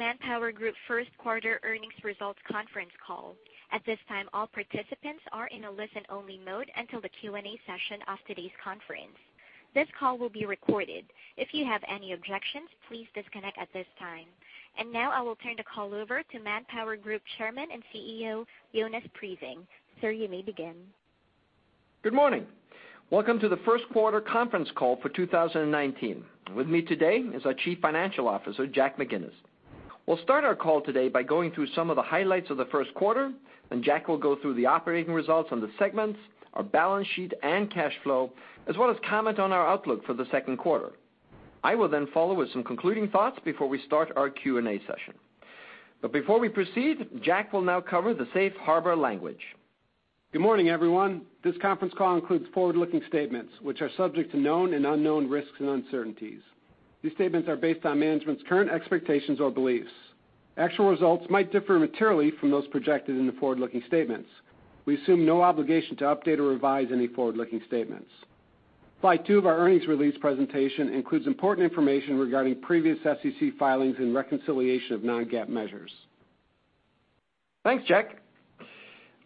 To ManpowerGroup Q1 Earnings Results Conference Call. At this time, all participants are in a listen-only mode until the Q&A session of today's conference. This call will be recorded. If you have any objections, please disconnect at this time. Now I will turn the call over to ManpowerGroup Chairman and CEO, Jonas Prising. Sir, you may begin. Good morning. Welcome to Q1 Conference Call for 2019. With me today is our Chief Financial Officer, Jack McGinnis. We'll start our call today by going through some of the highlights of Q1, then Jack will go through the operating results on the segments, our balance sheet, and cash flow, as well as comment on our outlook for Q2. I will then follow with some concluding thoughts before we start our Q&A session. Before we proceed, Jack will now cover the safe harbor language. Good morning, everyone. This conference call includes forward-looking statements which are subject to known and unknown risks and uncertainties. These statements are based on management's current expectations or beliefs. Actual results might differ materially from those projected in the forward-looking statements. We assume no obligation to update or revise any forward-looking statements. Slide two of our earnings release presentation includes important information regarding previous SEC filings and reconciliation of non-GAAP measures. Thanks, Jack.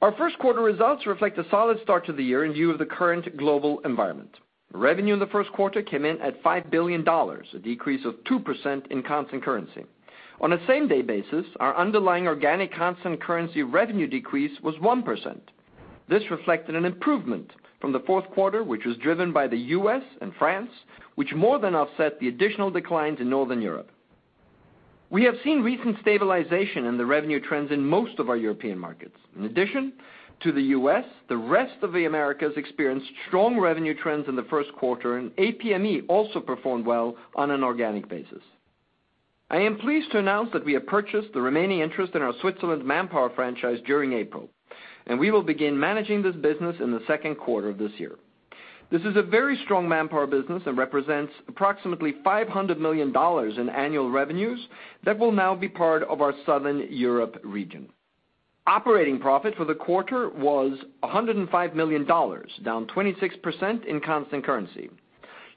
Our Q1 results reflect a solid start to the year in view of the current global environment. Revenue in Q1 came in at $5 billion, a decrease of 2% in constant currency. On a same-day basis, our underlying organic constant currency revenue decrease was 1%. This reflected an improvement from Q4, which was driven by the U.S. and France, which more than offset the additional declines in Northern Europe. We have seen recent stabilization in the revenue trends in most of our European markets. In addition to the U.S., the rest of the Americas experienced strong revenue trends in Q1, and APME also performed well on an organic basis. I am pleased to announce that we have purchased the remaining interest in our Switzerland Manpower franchise during April, and we will begin managing this business in Q2 of this year. This is a very strong Manpower business and represents approximately $500 million in annual revenues that will now be part of our Southern Europe region. Operating profit for the quarter was $105 million, down 26% in constant currency.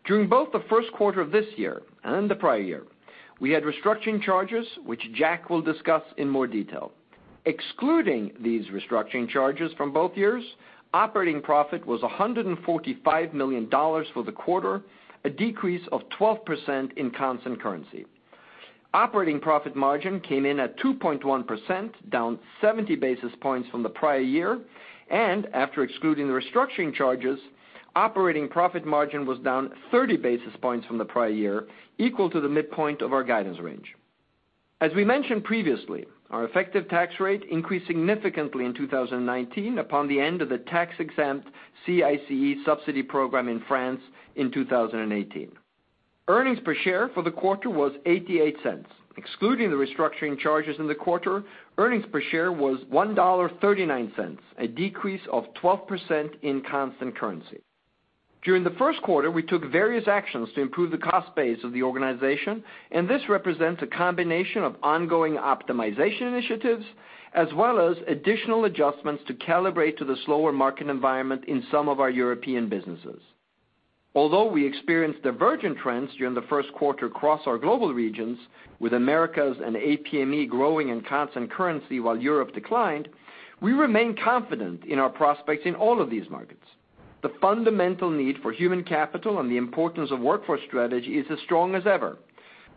During both Q1 of this year and the prior year, we had restructuring charges, which Jack will discuss in more detail. Excluding these restructuring charges from both years, operating profit was $145 million for the quarter, a decrease of 12% in constant currency. Operating profit margin came in at 2.1%, down 70 basis points from the prior year. After excluding the restructuring charges, operating profit margin was down 30 basis points from the prior year, equal to the midpoint of our guidance range. As we mentioned previously, our effective tax rate increased significantly in 2019 upon the end of the tax-exempt CICE subsidy program in France in 2018. Earnings per share for the quarter was $0.88. Excluding the restructuring charges in the quarter, earnings per share was $1.39, a decrease of 12% in constant currency. During Q1, we took various actions to improve the cost base of the organization, and this represents a combination of ongoing optimization initiatives as well as additional adjustments to calibrate to the slower market environment in some of our European businesses. Although we experienced divergent trends during Q1 across our global regions, with Americas and APME growing in constant currency while Europe declined, we remain confident in our prospects in all of these markets. The fundamental need for human capital and the importance of workforce strategy is as strong as ever,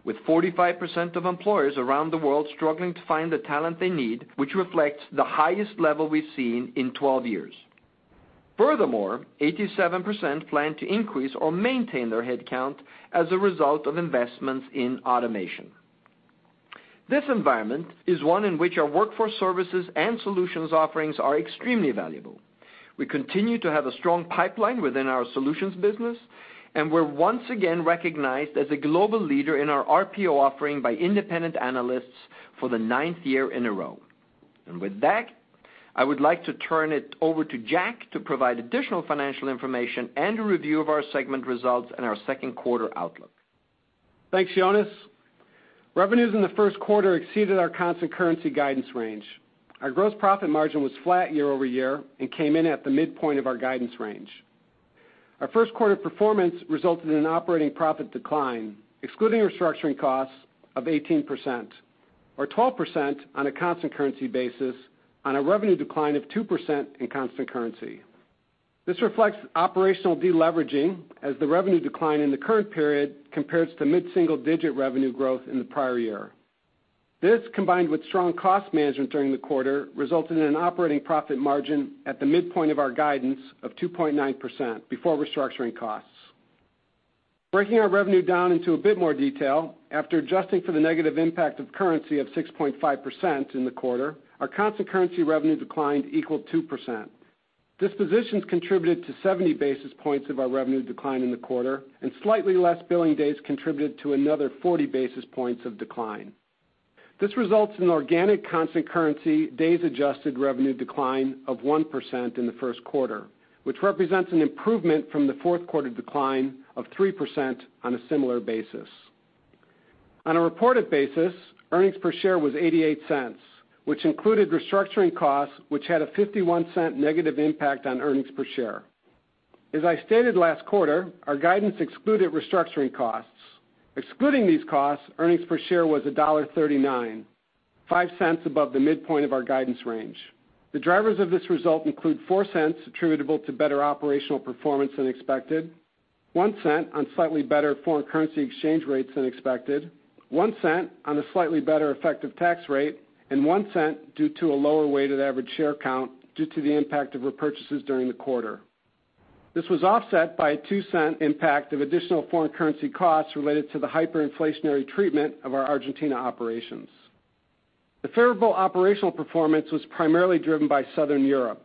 with 45% of employers around the world struggling to find the talent they need, which reflects the highest level we've seen in 12 years. Furthermore, 87% plan to increase or maintain their headcount as a result of investments in automation. This environment is one in which our workforce services and solutions offerings are extremely valuable. We continue to have a strong pipeline within our solutions business, and we're once again recognized as a global leader in our RPO offering by independent analysts for the ninth year in a row. With that, I would like to turn it over to Jack to provide additional financial information and a review of our segment results and our Q2 outlook. Thanks, Jonas. Revenues in Q1 exceeded our constant currency guidance range. Our gross profit margin was flat year-over-year and came in at the midpoint of our guidance range. Our Q1 performance resulted in an operating profit decline, excluding restructuring costs, of 18%, or 12% on a constant currency basis, on a revenue decline of 2% in constant currency. This reflects operational deleveraging as the revenue decline in the current period compares to mid-single digit revenue growth in the prior year. This, combined with strong cost management during the quarter, resulted in an operating profit margin at the midpoint of our guidance of 2.9% before restructuring costs. Breaking our revenue down into a bit more detail, after adjusting for the negative impact of currency of 6.5% in the quarter, our constant currency revenue decline equaled 2%. Dispositions contributed to 70 basis points of our revenue decline in the quarter, and slightly less billing days contributed to another 40 basis points of decline. This results in organic constant currency days adjusted revenue decline of 1% in Q1, which represents an improvement from Q4 decline of 3% on a similar basis. On a reported basis, earnings per share was $0.88, which included restructuring costs, which had a $0.51 negative impact on earnings per share. As I stated last quarter, our guidance excluded restructuring costs. Excluding these costs, earnings per share was $1.39, $0.05 above the midpoint of our guidance range. The drivers of this result include $0.04 attributable to better operational performance than expected, $0.01 on slightly better foreign currency exchange rates than expected, $0.01 on a slightly better effective tax rate, and $0.01 due to a lower weighted average share count due to the impact of repurchases during the quarter. This was offset by a $0.02 impact of additional foreign currency costs related to the hyperinflationary treatment of our Argentina operations. The favorable operational performance was primarily driven by Southern Europe.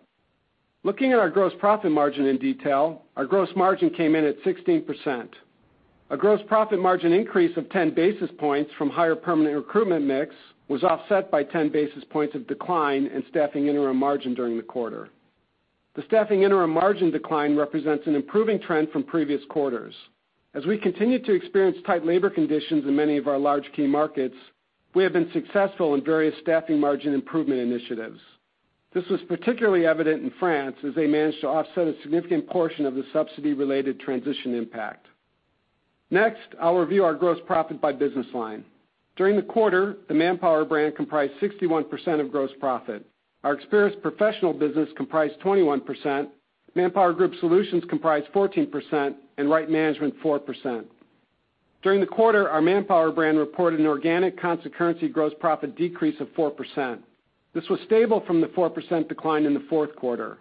Looking at our gross profit margin in detail, our gross margin came in at 16%. A gross profit margin increase of 10 basis points from higher permanent recruitment mix was offset by 10 basis points of decline in staffing interim margin during the quarter. The staffing interim margin decline represents an improving trend from previous quarters. As we continue to experience tight labor conditions in many of our large key markets, we have been successful in various staffing margin improvement initiatives. This was particularly evident in France, as they managed to offset a significant portion of the subsidy-related transition impact. Next, I'll review our gross profit by business line. During the quarter, the Manpower brand comprised 61% of gross profit. Our Experis professional business comprised 21%, ManpowerGroup Solutions comprised 14%, and Right Management 4%. During the quarter, our Manpower brand reported an organic constant currency gross profit decrease of 4%. This was stable from the 4% decline in Q4.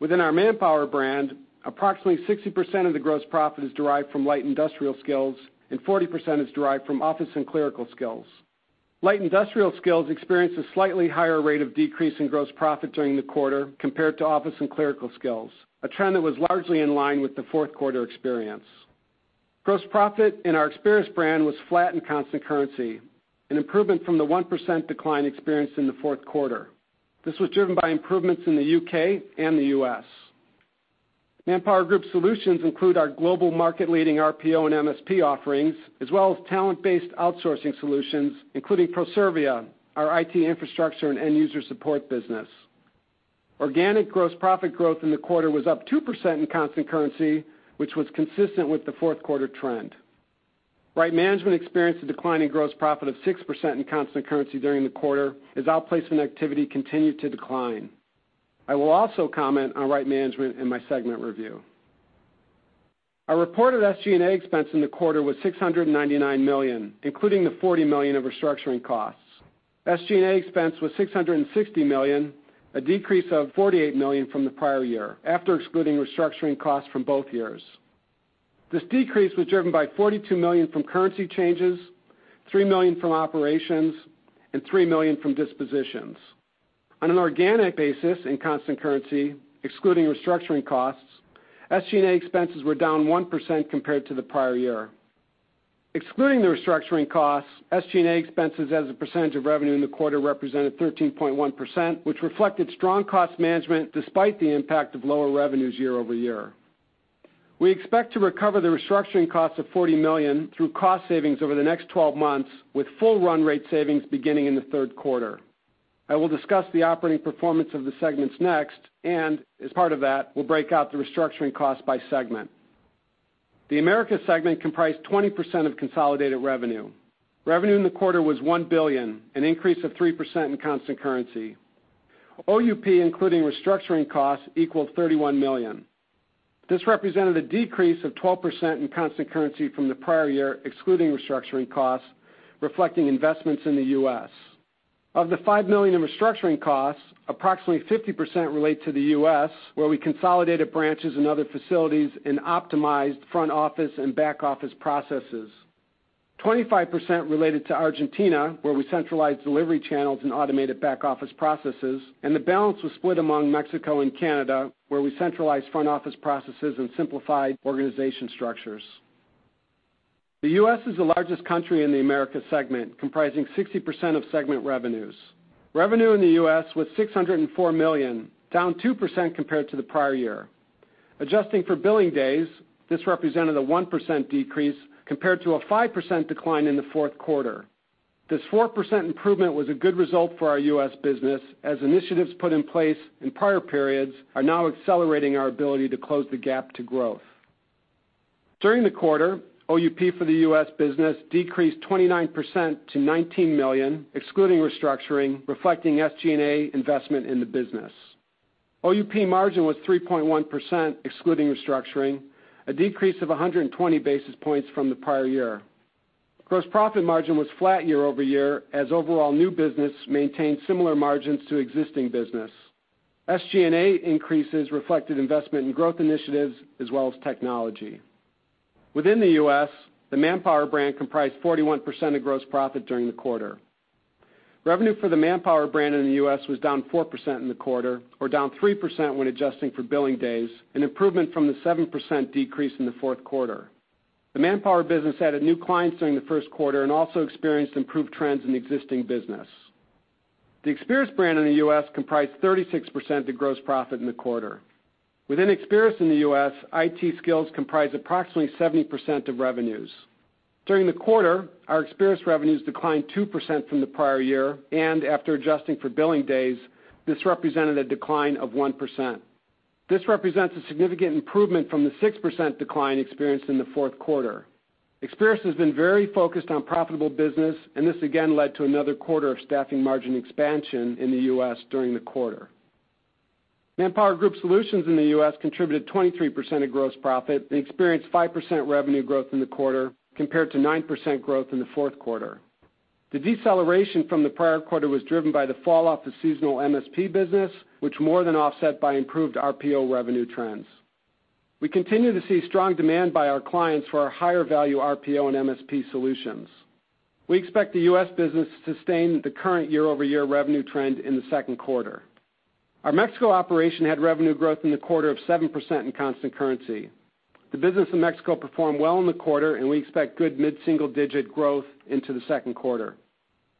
Within our Manpower brand, approximately 60% of the gross profit is derived from light industrial skills, and 40% is derived from office and clerical skills. Light industrial skills experienced a slightly higher rate of decrease in gross profit during the quarter compared to office and clerical skills, a trend that was largely in line with Q4 experience. Gross profit in our Experis brand was flat in constant currency, an improvement from the 1% decline experienced in Q4. This was driven by improvements in the U.K. and the U.S. ManpowerGroup Solutions include our global market leading RPO and MSP offerings, as well as talent-based outsourcing solutions, including Proservia, our IT infrastructure and end-user support business. Organic gross profit growth in the quarter was up 2% in constant currency, which was consistent with Q4 trend. Right Management experienced a decline in gross profit of 6% in constant currency during the quarter as outplacement activity continued to decline. I will also comment on Right Management in my segment review. Our reported SG&A expense in the quarter was $699 million, including the $40 million of restructuring costs. SG&A expense was $660 million, a decrease of $48 million from the prior year, after excluding restructuring costs from both years. This decrease was driven by $42 million from currency changes, $3 million from operations, and $3 million from dispositions. On an organic basis in constant currency, excluding restructuring costs, SG&A expenses were down 1% compared to the prior year. Excluding the restructuring costs, SG&A expenses as a percentage of revenue in the quarter represented 13.1%, which reflected strong cost management despite the impact of lower revenues year-over-year. We expect to recover the restructuring cost of $40 million through cost savings over the next 12 months with full run rate savings beginning in Q3. I will discuss the operating performance of the segments next. As part of that, we'll break out the restructuring cost by segment. The Americas segment comprised 20% of consolidated revenue. Revenue in the quarter was $1 billion, an increase of 3% in constant currency. OUP, including restructuring costs, equaled $31 million. This represented a decrease of 12% in constant currency from the prior year, excluding restructuring costs, reflecting investments in the U.S. Of the $5 million in restructuring costs, approximately 50% relate to the U.S., where we consolidated branches and other facilities and optimized front office and back-office processes. 25% related to Argentina, where we centralized delivery channels and automated back-office processes, and the balance was split among Mexico and Canada, where we centralized front office processes and simplified organization structures. The U.S. is the largest country in the Americas segment, comprising 60% of segment revenues. Revenue in the U.S. was $604 million, down 2% compared to the prior year. Adjusting for billing days, this represented a 1% decrease compared to a 5% decline in Q4. This 4% improvement was a good result for our U.S. business, as initiatives put in place in prior periods are now accelerating our ability to close the gap to growth. During the quarter, OUP for the U.S. business decreased 29% to $19 million, excluding restructuring, reflecting SG&A investment in the business. OUP margin was 3.1% excluding restructuring, a decrease of 120 basis points from the prior year. Gross profit margin was flat year-over-year as overall new business maintained similar margins to existing business. SG&A increases reflected investment in growth initiatives as well as technology. Within the U.S., the Manpower brand comprised 41% of gross profit during the quarter. Revenue for the Manpower brand in the U.S. was down 4% in the quarter, or down 3% when adjusting for billing days, an improvement from the 7% decrease in Q4. The Manpower business added new clients during Q1 and also experienced improved trends in existing business. The Experis brand in the U.S. comprised 36% of gross profit in the quarter. Within Experis in the U.S., IT skills comprised approximately 70% of revenues. During the quarter, our Experis revenues declined 2% from the prior year, and after adjusting for billing days, this represented a decline of 1%. This represents a significant improvement from the 6% decline experienced in Q4. Experis has been very focused on profitable business, and this again led to another quarter of staffing margin expansion in the U.S. during the quarter. ManpowerGroup Solutions in the U.S. contributed 23% of gross profit and experienced 5% revenue growth in the quarter compared to 9% growth in Q4. The deceleration from the prior quarter was driven by the falloff of seasonal MSP business, which more than offset by improved RPO revenue trends. We continue to see strong demand by our clients for our higher value RPO and MSP solutions. We expect the U.S. business to sustain the current year-over-year revenue trend in Q2. Our Mexico operation had revenue growth in the quarter of 7% in constant currency. The business in Mexico performed well in the quarter, and we expect good mid-single digit growth into Q2.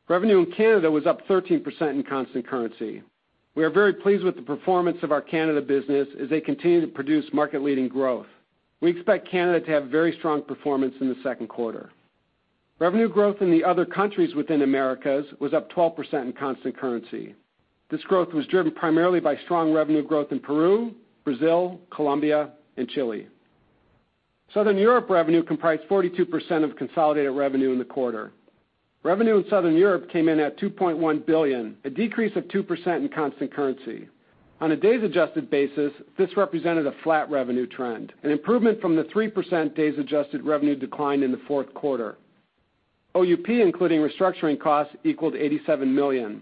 Revenue in Canada was up 13% in constant currency. We are very pleased with the performance of our Canada business as they continue to produce market leading growth. We expect Canada to have very strong performance in Q2. Revenue growth in the other countries within Americas was up 12% in constant currency. This growth was driven primarily by strong revenue growth in Peru, Brazil, Colombia, and Chile. Southern Europe revenue comprised 42% of consolidated revenue in the quarter. Revenue in Southern Europe came in at $2.1 billion, a decrease of 2% in constant currency. On a days-adjusted basis, this represented a flat revenue trend, an improvement from the 3% days-adjusted revenue decline in Q4. OUP, including restructuring costs, equaled $87 million.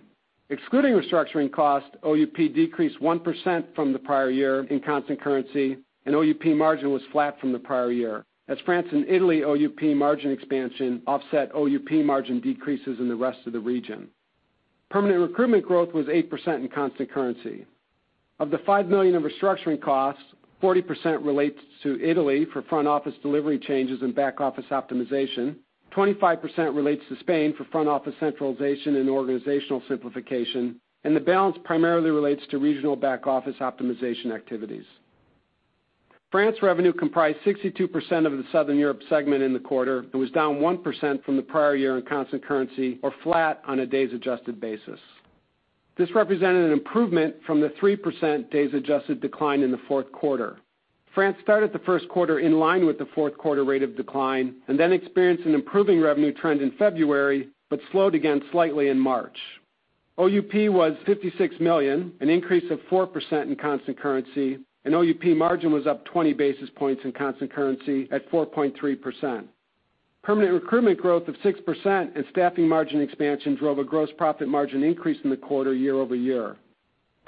Excluding restructuring costs, OUP decreased 1% from the prior year in constant currency, and OUP margin was flat from the prior year. France and Italy OUP margin expansion offset OUP margin decreases in the rest of the region. Permanent recruitment growth was 8% in constant currency. Of the $5 million in restructuring costs, 40% relates to Italy for front-office delivery changes and back-office optimization, 25% relates to Spain for front-office centralization and organizational simplification. The balance primarily relates to regional back-office optimization activities. France revenue comprised 62% of the Southern Europe segment in the quarter and was down 1% from the prior year in constant currency or flat on a days-adjusted basis. This represented an improvement from the 3% days-adjusted decline in Q4. France started Q1 in line with Q4 rate of decline and then experienced an improving revenue trend in February, but slowed again slightly in March. OUP was $56 million, an increase of 4% in constant currency. OUP margin was up 20 basis points in constant currency at 4.3%. Permanent recruitment growth of 6% and staffing margin expansion drove a gross profit margin increase in the quarter year-over-year.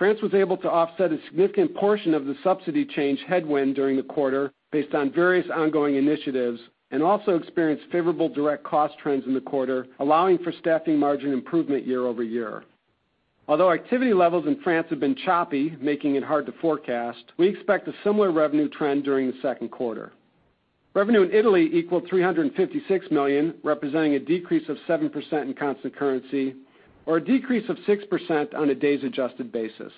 France was able to offset a significant portion of the subsidy change headwind during the quarter based on various ongoing initiatives and also experienced favorable direct cost trends in the quarter, allowing for staffing margin improvement year-over-year. Although activity levels in France have been choppy, making it hard to forecast, we expect a similar revenue trend during Q2. Revenue in Italy equaled $356 million, representing a decrease of 7% in constant currency or a decrease of 6% on a days-adjusted basis.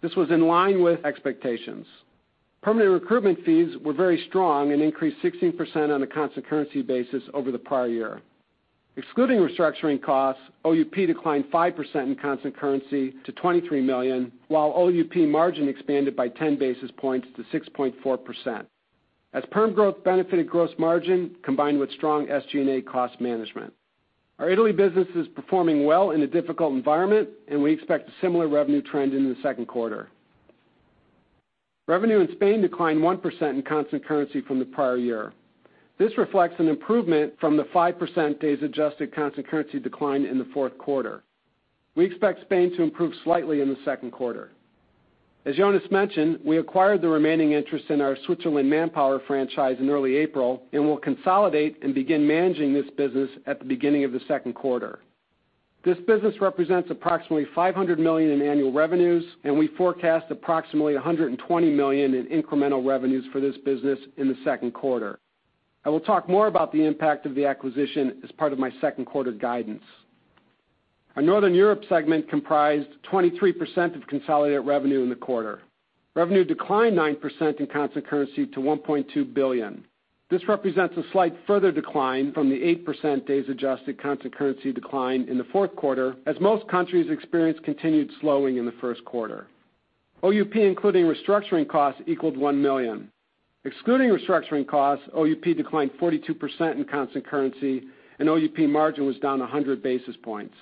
This was in line with expectations. Permanent recruitment fees were very strong and increased 16% on a constant currency basis over the prior year. Excluding restructuring costs, OUP declined 5% in constant currency to $23 million, while OUP margin expanded by 10 basis points to 6.4%, as perm growth benefited gross margin combined with strong SG&A cost management. Our Italy business is performing well in a difficult environment, and we expect a similar revenue trend into Q2. Revenue in Spain declined 1% in constant currency from the prior year. This reflects an improvement from the 5% days-adjusted constant currency decline in Q4. We expect Spain to improve slightly in Q2. As Jonas mentioned, we acquired the remaining interest in our Switzerland Manpower franchise in early April and will consolidate and begin managing this business at the beginning of Q2. This business represents approximately $500 million in annual revenues, and we forecast approximately $120 million in incremental revenues for this business in Q2. I will talk more about the impact of the acquisition as part of my Q2 guidance. Our Northern Europe segment comprised 23% of consolidated revenue in the quarter. Revenue declined 9% in constant currency to $1.2 billion. This represents a slight further decline from the 8% days-adjusted constant currency decline in Q4 as most countries experienced continued slowing in Q1. OUP, including restructuring costs, equaled $1 million. Excluding restructuring costs, OUP declined 42% in constant currency, and OUP margin was down 100 basis points.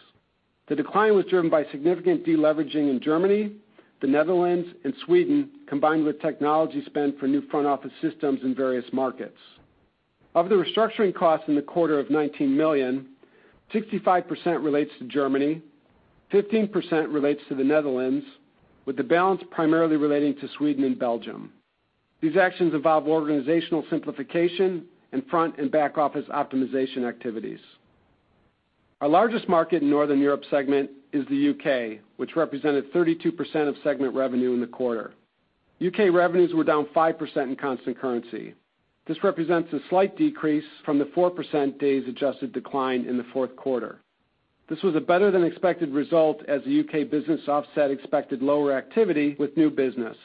The decline was driven by significant deleveraging in Germany, the Netherlands, and Sweden, combined with technology spend for new front-office systems in various markets. Of the restructuring costs in the quarter of $19 million, 65% relates to Germany. 15% relates to the Netherlands, with the balance primarily relating to Sweden and Belgium. These actions involve organizational simplification in front and back office optimization activities. Our largest market in Northern Europe segment is the U.K., which represented 32% of segment revenue in the quarter. U.K. revenues were down 5% in constant currency. This represents a slight decrease from the 4% days-adjusted decline in Q4. This was a better than expected result as the U.K. business offset expected lower activity with new business.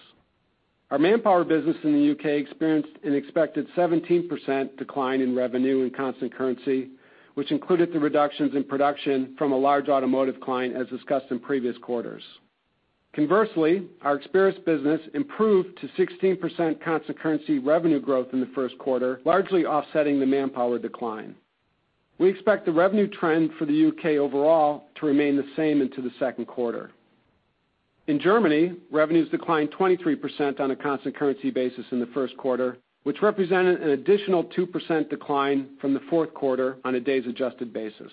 Our Manpower business in the U.K. experienced an expected 17% decline in revenue in constant currency, which included the reductions in production from a large automotive client, as discussed in previous quarters. Conversely, our Experis business improved to 16% constant currency revenue growth in Q1, largely offsetting the Manpower decline. We expect the revenue trend for the U.K. overall to remain the same into Q2. In Germany, revenues declined 23% on a constant currency basis in Q1, which represented an additional 2% decline from Q4 on a days adjusted basis.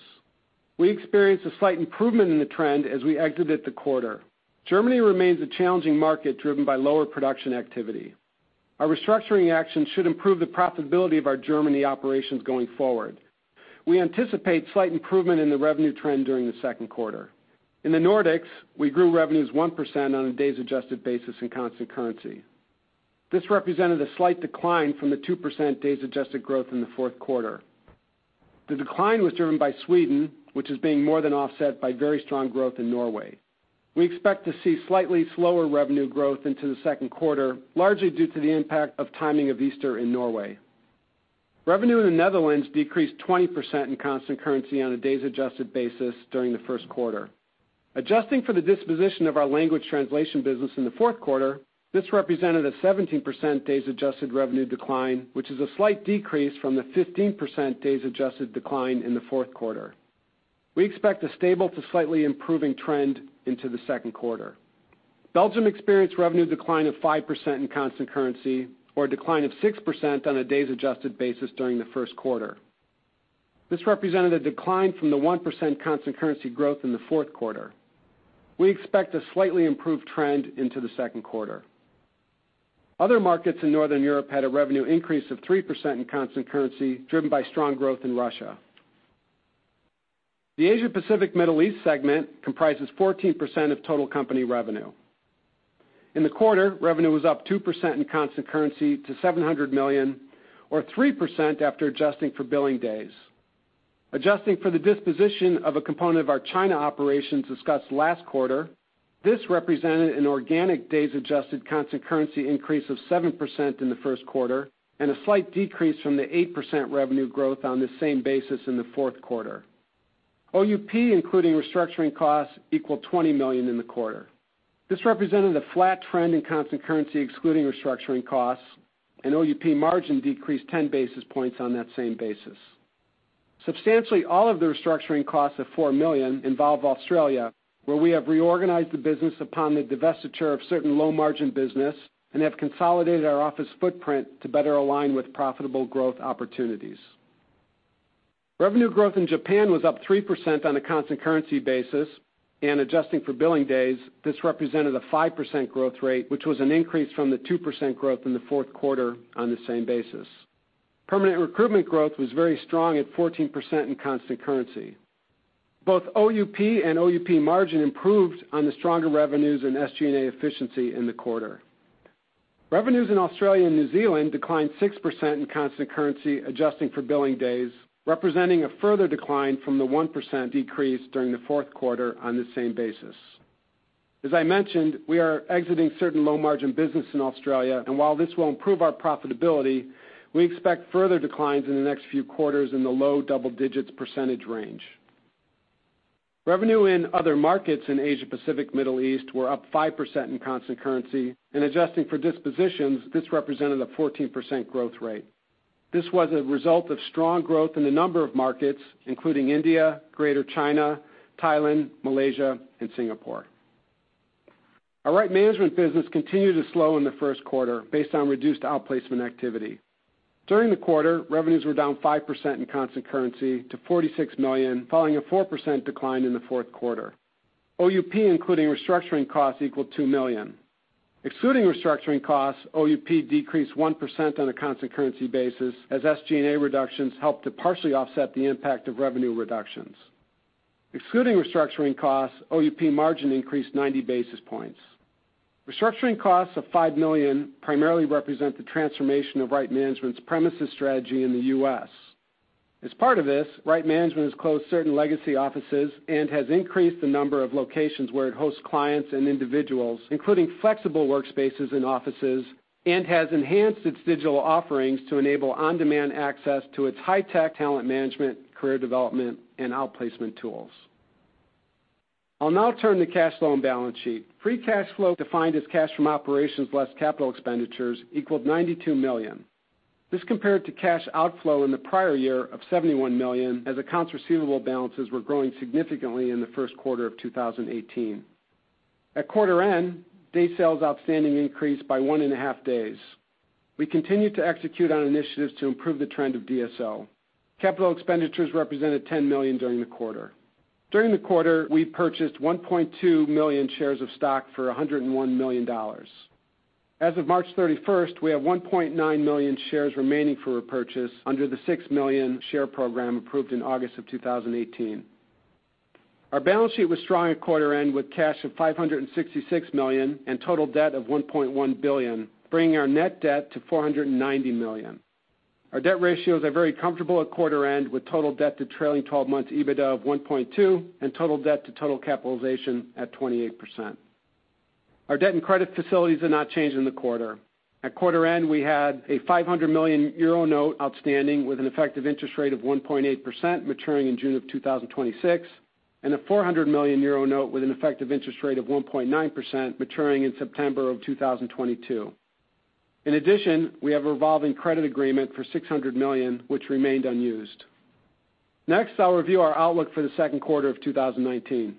We experienced a slight improvement in the trend as we exited the quarter. Germany remains a challenging market driven by lower production activity. Our restructuring actions should improve the profitability of our Germany operations going forward. We anticipate slight improvement in the revenue trend during Q2. In the Nordics, we grew revenues 1% on a days adjusted basis in constant currency. This represented a slight decline from the 2% days adjusted growth in Q4. The decline was driven by Sweden, which is being more than offset by very strong growth in Norway. We expect to see slightly slower revenue growth into Q2, largely due to the impact of timing of Easter in Norway. Revenue in the Netherlands decreased 20% in constant currency on a days adjusted basis during Q1. Adjusting for the disposition of our language translation business in Q4, this represented a 17% days adjusted revenue decline, which is a slight decrease from the 15% days adjusted decline in Q4. We expect a stable to slightly improving trend into Q2. Belgium experienced revenue decline of 5% in constant currency, or a decline of 6% on a days adjusted basis during Q1. This represented a decline from the 1% constant currency growth in Q4. We expect a slightly improved trend into Q2. Other markets in Northern Europe had a revenue increase of 3% in constant currency, driven by strong growth in Russia. The Asia Pacific Middle East segment comprises 14% of total company revenue. In the quarter, revenue was up 2% in constant currency to $700 million, or 3% after adjusting for billing days. Adjusting for the disposition of a component of our China operations discussed last quarter, this represented an organic days adjusted constant currency increase of 7% in Q1, and a slight decrease from the 8% revenue growth on the same basis in Q4. OUP, including restructuring costs, equaled $20 million in the quarter. This represented a flat trend in constant currency, excluding restructuring costs, and OUP margin decreased 10 basis points on that same basis. Substantially, all of the restructuring costs of $4 million involve Australia, where we have reorganized the business upon the divestiture of certain low-margin business and have consolidated our office footprint to better align with profitable growth opportunities. Revenue growth in Japan was up 3% on a constant currency basis, adjusting for billing days, this represented a 5% growth rate, which was an increase from the 2% growth in Q4 on the same basis. Permanent recruitment growth was very strong at 14% in constant currency. Both OUP and OUP margin improved on the stronger revenues and SG&A efficiency in the quarter. Revenues in Australia and New Zealand declined 6% in constant currency, adjusting for billing days, representing a further decline from the 1% decrease during Q4 on the same basis. As I mentioned, we are exiting certain low-margin business in Australia, while this will improve our profitability, we expect further declines in the next few quarters in the low double digits percentage range. Revenue in other markets in Asia Pacific Middle East were up 5% in constant currency, and adjusting for dispositions, this represented a 14% growth rate. This was a result of strong growth in a number of markets, including India, Greater China, Thailand, Malaysia, and Singapore. Our Right Management business continued to slow in Q1 based on reduced outplacement activity. During the quarter, revenues were down 5% in constant currency to $46 million, following a 4% decline in Q4. OUP, including restructuring costs, equaled $2 million. Excluding restructuring costs, OUP decreased 1% on a constant currency basis as SG&A reductions helped to partially offset the impact of revenue reductions. Excluding restructuring costs, OUP margin increased 90 basis points. Restructuring costs of $5 million primarily represent the transformation of Right Management's premises strategy in the U.S. As part of this, Right Management has closed certain legacy offices and has increased the number of locations where it hosts clients and individuals, including flexible workspaces in offices, and has enhanced its digital offerings to enable on-demand access to its high-tech talent management, career development, and outplacement tools. I will now turn to cash flow and balance sheet. Free cash flow defined as cash from operations less capital expenditures equaled $92 million. This compared to cash outflow in the prior year of $71 million as accounts receivable balances were growing significantly in Q1 of 2018. At quarter end, day sales outstanding increased by one and a half days. We continue to execute on initiatives to improve the trend of DSO. Capital expenditures represented $10 million during the quarter. During the quarter, we purchased 1.2 million shares of stock for $101 million. As of March 31st, we have 1.9 million shares remaining for repurchase under the 6 million share program approved in August of 2018. Our balance sheet was strong at quarter end with cash of $566 million and total debt of $1.1 billion, bringing our net debt to $490 million. Our debt ratios are very comfortable at quarter end with total debt to trailing 12 months EBITDA of 1.2x and total debt to total capitalization at 28%. Our debt and credit facilities are not changed in the quarter. At quarter end, we had a 500 million euro note outstanding with an effective interest rate of 1.8% maturing in June of 2026, and a 400 million euro note with an effective interest rate of 1.9% maturing in September of 2022. In addition, we have a revolving credit agreement for $600 million, which remained unused. Next, I will review our outlook for Q2 of 2019.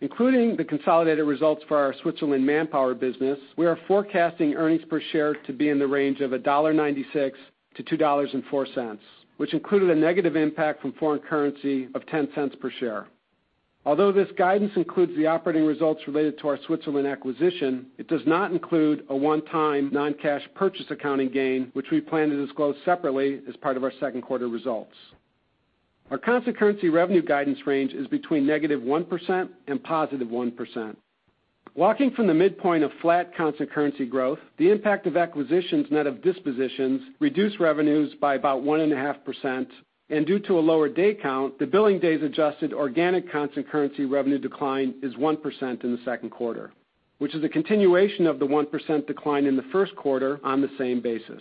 Including the consolidated results for our Switzerland Manpower business, we are forecasting earnings per share to be in the range of $1.96-$2.04, which included a negative impact from foreign currency of $0.10 per share. Although this guidance includes the operating results related to our Switzerland acquisition, it does not include a one-time non-cash purchase accounting gain, which we plan to disclose separately as part of our Q2 results. Our constant currency revenue guidance range is between -1% and +1%. Walking from the midpoint of flat constant currency growth, the impact of acquisitions net of dispositions reduced revenues by about 1.5%, and due to a lower day count, the billing days adjusted organic constant currency revenue decline is 1% in Q2, which is a continuation of the 1% decline in Q1 on the same basis.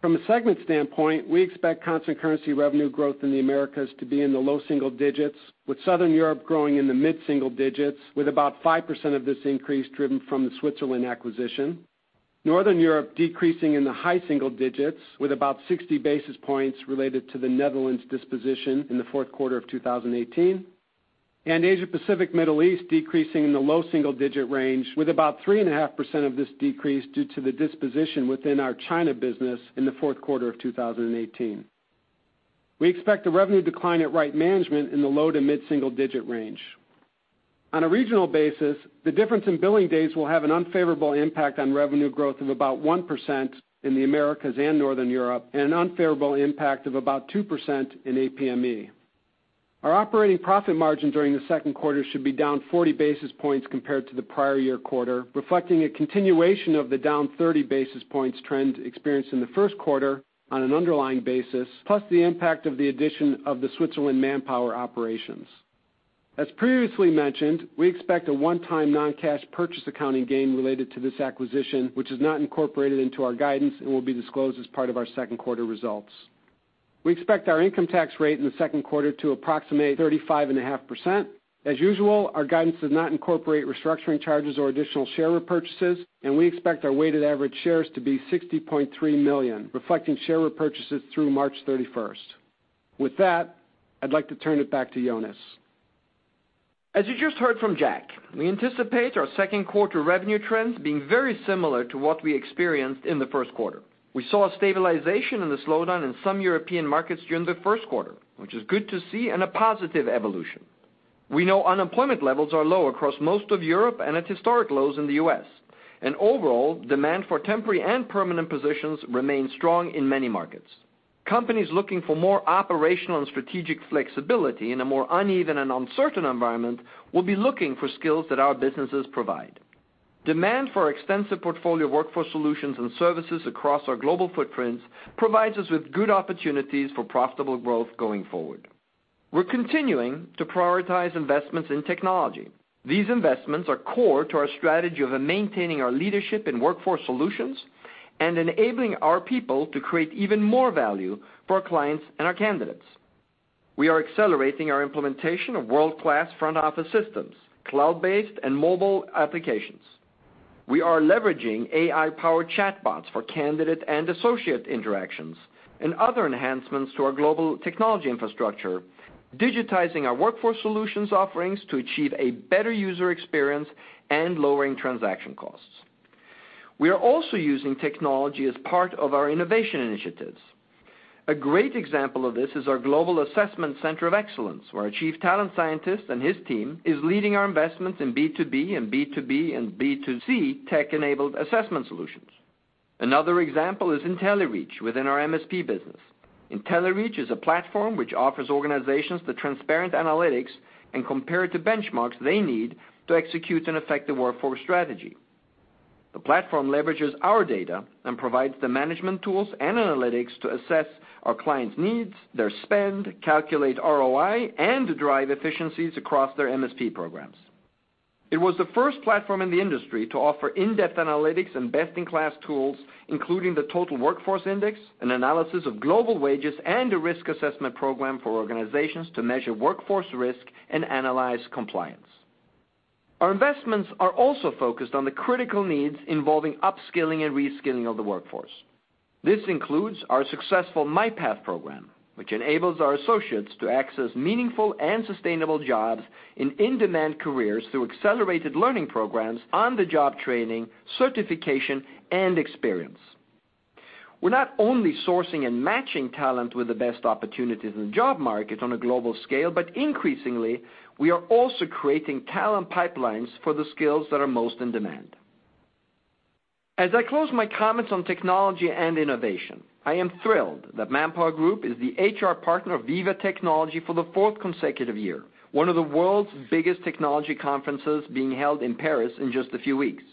From a segment standpoint, we expect constant currency revenue growth in the Americas to be in the low single digits, with Southern Europe growing in the mid single digits with about 5% of this increase driven from the Switzerland acquisition. Northern Europe decreasing in the high single digits with about 60 basis points related to the Netherlands disposition in Q4 of 2018. Asia-Pacific Middle East decreasing in the low single-digit range with about 3.5% of this decrease due to the disposition within our China business in Q4 of 2018. We expect the revenue decline at Right Management in the low to mid-single-digit range. On a regional basis, the difference in billing days will have an unfavorable impact on revenue growth of about 1% in the Americas and Northern Europe and an unfavorable impact of about 2% in APME. Our operating profit margin during Q2 should be down 40 basis points compared to the prior year quarter, reflecting a continuation of the down 30 basis points trend experienced in Q1 on an underlying basis, plus the impact of the addition of the Switzerland Manpower operations. As previously mentioned, we expect a one-time non-cash purchase accounting gain related to this acquisition, which is not incorporated into our guidance and will be disclosed as part of our Q2 results. We expect our income tax rate in Q2 to approximate 35.5%. As usual, our guidance does not incorporate restructuring charges or additional share repurchases, and we expect our weighted average shares to be 60.3 million, reflecting share repurchases through March 31st. With that, I'd like to turn it back to Jonas. As you just heard from Jack, we anticipate our Q2 revenue trends being very similar to what we experienced in Q1. We saw a stabilization in the slowdown in some European markets during Q1, which is good to see and a positive evolution. We know unemployment levels are low across most of Europe and at historic lows in the U.S. Overall, demand for temporary and permanent positions remains strong in many markets. Companies looking for more operational and strategic flexibility in a more uneven and uncertain environment will be looking for skills that our businesses provide. Demand for our extensive portfolio of workforce solutions and services across our global footprints provides us with good opportunities for profitable growth going forward. We're continuing to prioritize investments in technology. These investments are core to our strategy of maintaining our leadership in workforce solutions and enabling our people to create even more value for our clients and our candidates. We are accelerating our implementation of world-class front-office systems, cloud-based and mobile applications. We are leveraging AI-powered chatbots for candidate and associate interactions and other enhancements to our global technology infrastructure, digitizing our workforce solutions offerings to achieve a better user experience and lowering transaction costs. We are also using technology as part of our innovation initiatives. A great example of this is our global assessment center of excellence, where our chief talent scientist and his team is leading our investments in B2B and B2C tech-enabled assessment solutions. Another example is IntelliReach within our MSP business. IntelliReach is a platform which offers organizations the transparent analytics and comparative benchmarks they need to execute an effective workforce strategy. The platform leverages our data and provides the management tools and analytics to assess our clients' needs, their spend, calculate ROI, and to drive efficiencies across their MSP programs. It was the first platform in the industry to offer in-depth analytics and best-in-class tools, including the Total Workforce Index, an analysis of global wages, and a risk assessment program for organizations to measure workforce risk and analyze compliance. Our investments are also focused on the critical needs involving upskilling and reskilling of the workforce. This includes our successful MyPath program, which enables our associates to access meaningful and sustainable jobs in in-demand careers through accelerated learning programs, on-the-job training, certification, and experience. We're not only sourcing and matching talent with the best opportunities in the job market on a global scale, but increasingly, we are also creating talent pipelines for the skills that are most in demand. As I close my comments on technology and innovation, I am thrilled that ManpowerGroup is the HR partner of Viva Technology for the fourth consecutive year, one of the world's biggest technology conferences being held in Paris in just a few weeks.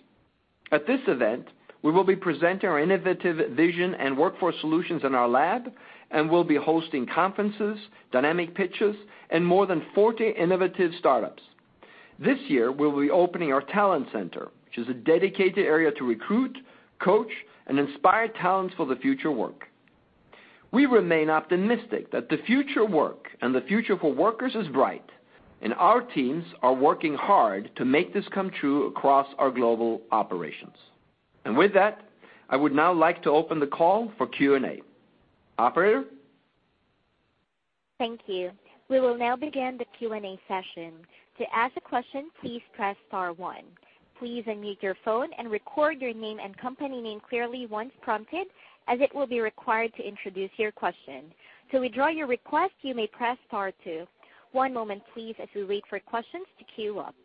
At this event, we will be presenting our innovative vision and workforce solutions in our lab, and we'll be hosting conferences, dynamic pitches, and more than 40 innovative startups. This year, we'll be opening our talent center, which is a dedicated area to recruit, coach, and inspire talent for the future work. We remain optimistic that the future work and the future for workers is bright, and our teams are working hard to make this come true across our global operations. With that, I would now like to open the call for Q&A. Operator? Thank you. We will now begin the Q&A session. To ask a question, please press star one. Please unmute your phone and record your name and company name clearly once prompted, as it will be required to introduce your question. To withdraw your request, you may press star two. One moment please, as we wait for questions to queue up.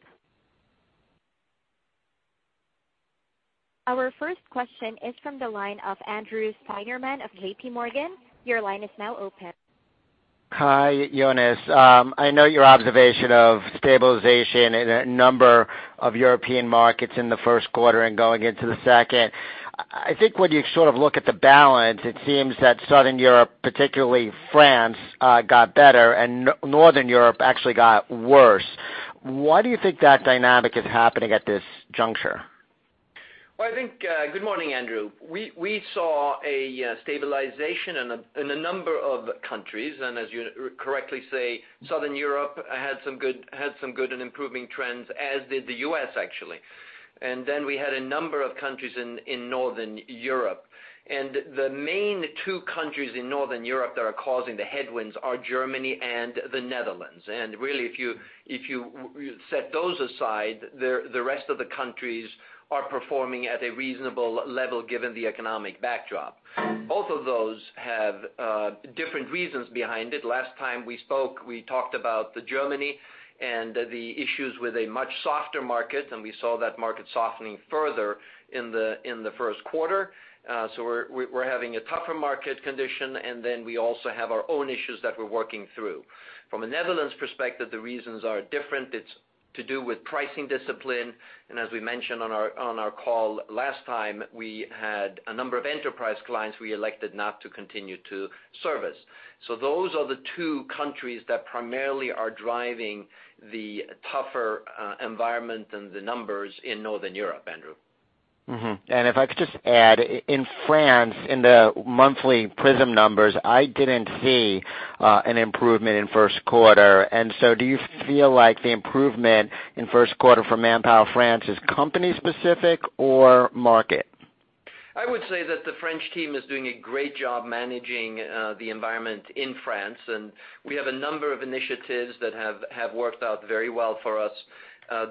Our first question is from the line of Andrew Steinerman of J.P. Morgan. Your line is now open. Hi, Jonas. I know your observation of stabilization in a number of European markets in Q1 and going into Q2. I think when you look at the balance, it seems that Southern Europe, particularly France, got better, and Northern Europe actually got worse. Why do you think that dynamic is happening at this juncture? Well, I think, good morning, Andrew. We saw a stabilization in a number of countries. As you correctly say, Southern Europe had some good and improving trends, as did the U.S., actually. We had a number of countries in Northern Europe. The main two countries in Northern Europe that are causing the headwinds are Germany and the Netherlands. Really, if you set those aside, the rest of the countries are performing at a reasonable level given the economic backdrop. Both of those have different reasons behind it. Last time we spoke, we talked about Germany and the issues with a much softer market, and we saw that market softening further in Q1. We're having a tougher market condition, and then we also have our own issues that we're working through. From a Netherlands perspective, the reasons are different. It's to do with pricing discipline. As we mentioned on our call last time, we had a number of enterprise clients we elected not to continue to service. Those are the two countries that primarily are driving the tougher environment and the numbers in Northern Europe, Andrew. If I could just add, in France, in the monthly Prism'emploi numbers, I didn't see an improvement in Q1. Do you feel like the improvement in Q1 for Manpower France is company specific or market? I would say that the French team is doing a great job managing the environment in France. We have a number of initiatives that have worked out very well for us.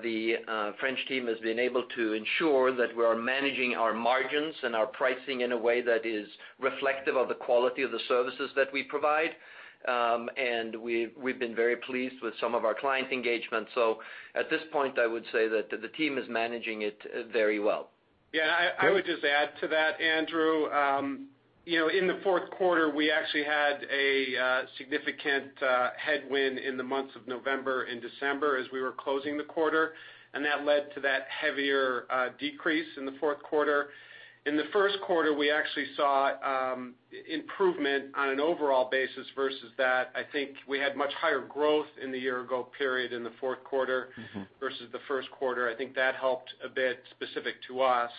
The French team has been able to ensure that we are managing our margins and our pricing in a way that is reflective of the quality of the services that we provide. We've been very pleased with some of our client engagements. At this point, I would say that the team is managing it very well. Yeah, I would just add to that, Andrew. In Q4, we actually had a significant headwind in the months of November and December as we were closing the quarter, and that led to that heavier decrease in Q4. In Q1, we actually saw improvement on an overall basis versus that. I think we had much higher growth in the year ago period in Q4 versus Q1. I think that helped a bit specific to us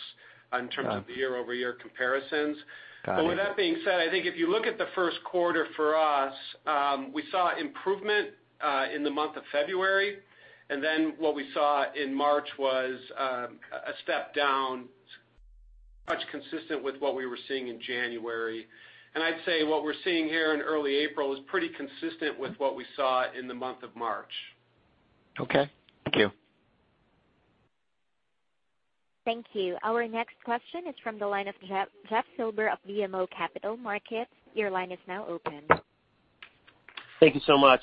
in terms of the year-over-year comparisons. Got it. With that being said, I think if you look at Q1 for us, we saw improvement in the month of February. Then what we saw in March was a step down, much consistent with what we were seeing in January. I'd say what we're seeing here in early April is pretty consistent with what we saw in the month of March. Okay. Thank you. Thank you. Our next question is from the line of Jeffrey Silber of BMO Capital Markets. Your line is now open. Thank you so much.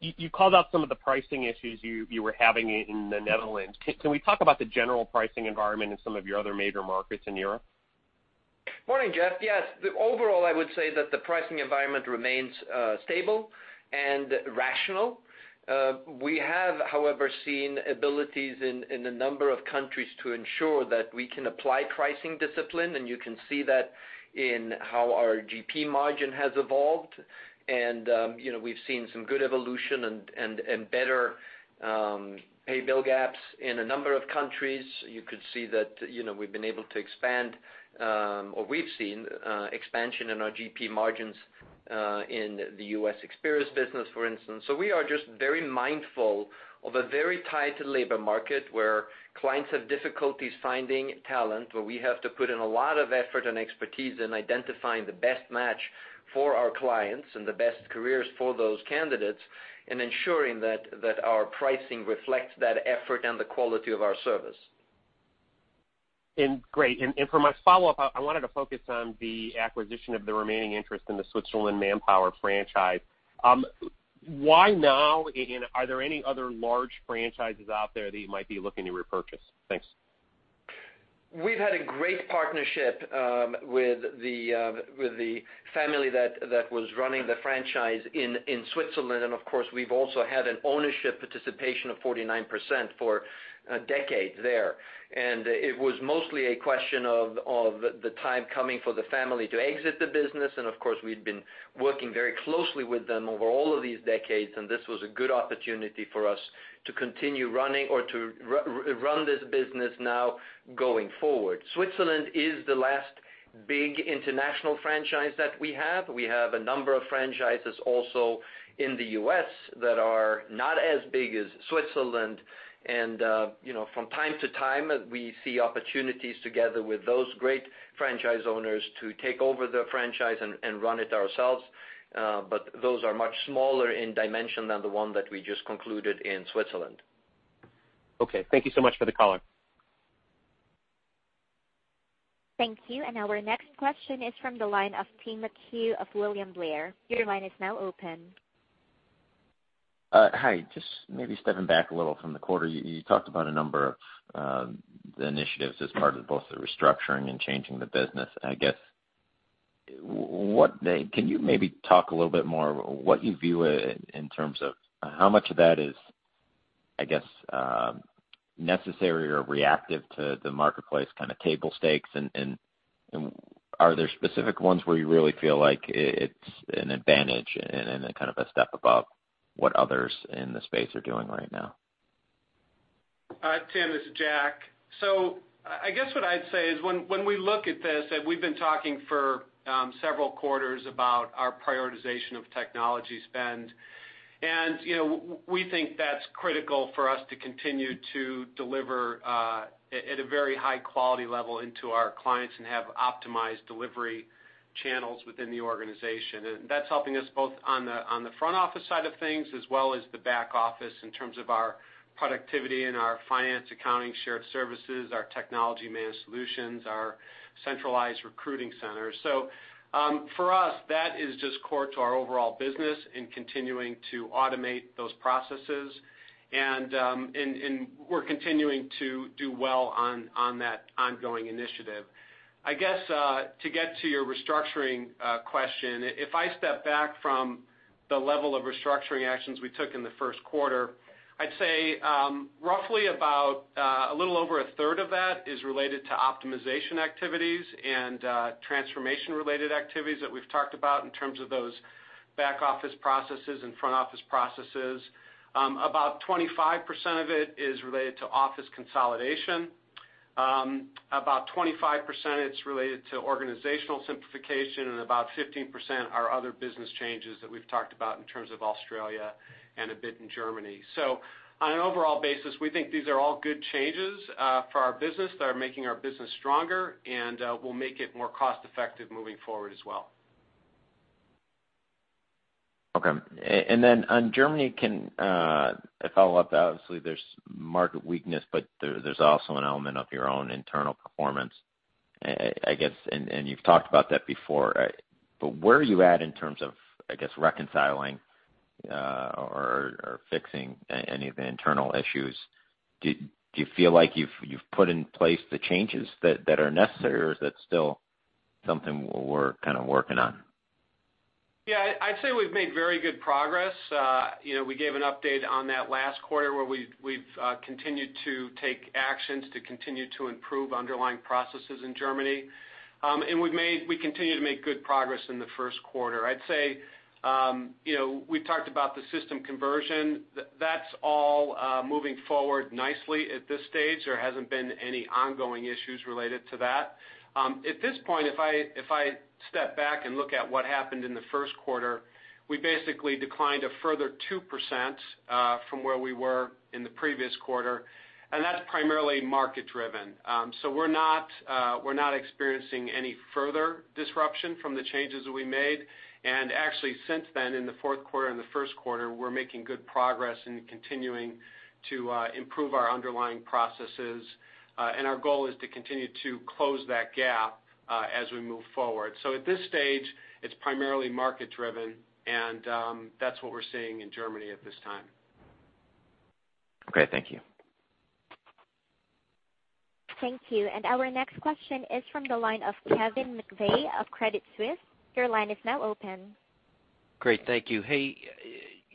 You called out some of the pricing issues you were having in the Netherlands. Can we talk about the general pricing environment in some of your other major markets in Europe? Morning, Jeffrey. Yes. Overall, I would say that the pricing environment remains stable and rational. We have, however, seen abilities in a number of countries to ensure that we can apply pricing discipline, and you can see that in how our GP margin has evolved. We've seen some good evolution and better pay bill gaps in a number of countries. You could see that we've been able to expand, or we've seen expansion in our GP margins in the U.S. Experis business, for instance. We are just very mindful of a very tight labor market where clients have difficulties finding talent, where we have to put in a lot of effort and expertise in identifying the best match for our clients and the best careers for those candidates, and ensuring that our pricing reflects that effort and the quality of our service. Great. For my follow-up, I wanted to focus on the acquisition of the remaining interest in the Switzerland Manpower franchise. Why now? Are there any other large franchises out there that you might be looking to repurchase? Thanks. We've had a great partnership with the family that was running the franchise in Switzerland. Of course, we've also had an ownership participation of 49% for decades there. It was mostly a question of the time coming for the family to exit the business. Of course, we'd been working very closely with them over all of these decades, and this was a good opportunity for us to continue running or to run this business now going forward. Switzerland is the last big international franchise that we have. We have a number of franchises also in the U.S. that are not as big as Switzerland. From time to time, we see opportunities together with those great franchise owners to take over the franchise and run it ourselves. Those are much smaller in dimension than the one that we just concluded in Switzerland. Okay. Thank you so much for the color. Thank you. Our next question is from the line of Timothy McHugh of William Blair. Your line is now open. Hi, just maybe stepping back a little from the quarter. You talked about a number of the initiatives as part of both the restructuring and changing the business. I guess, can you maybe talk a little bit more what you view in terms of how much of that is necessary or reactive to the marketplace kind of table stakes? Are there specific ones where you really feel like it's an advantage and a kind of a step above what others in the space are doing right now? Timothy, this is Jack. I guess what I'd say is when we look at this, we've been talking for several quarters about our prioritization of technology spend. We think that's critical for us to continue to deliver at a very high quality level into our clients and have optimized delivery channels within the organization. That's helping us both on the front office side of things as well as the back office in terms of our productivity and our finance accounting, shared services, our technology-managed solutions, our centralized recruiting centers. For us, that is just core to our overall business in continuing to automate those processes. We're continuing to do well on that ongoing initiative. I guess, to get to your restructuring question, if I step back from the level of restructuring actions we took in Q1, I'd say roughly about a little over a third of that is related to optimization activities and transformation-related activities that we've talked about in terms of those back office processes and front office processes. About 25% of it is related to office consolidation. About 25% is related to organizational simplification, about 15% are other business changes that we've talked about in terms of Australia and a bit in Germany. On an overall basis, we think these are all good changes for our business that are making our business stronger and will make it more cost-effective moving forward as well. Okay. On Germany, can I follow up? Obviously, there's market weakness, there's also an element of your own internal performance, I guess, you've talked about that before. Where are you at in terms of, I guess, reconciling or fixing any of the internal issues? Do you feel like you've put in place the changes that are necessary, or is that still something we're kind of working on? Yeah, I'd say we've made very good progress. We gave an update on that last quarter where we've continued to take actions to continue to improve underlying processes in Germany. We continue to make good progress in Q1. I'd say we talked about the system conversion. That's all moving forward nicely at this stage. There hasn't been any ongoing issues related to that. At this point, if I step back and look at what happened in Q1, we basically declined a further 2% from where we were in the previous quarter, that's primarily market driven. We're not experiencing any further disruption from the changes that we made. Actually, since then, in Q4 and Q1, we're making good progress in continuing to improve our underlying processes. Our goal is to continue to close that gap as we move forward. At this stage, it's primarily market driven, and that's what we're seeing in Germany at this time. Okay. Thank you. Thank you. Our next question is from the line of Kevin McVeigh of Credit Suisse. Your line is now open. Great, thank you. Hey,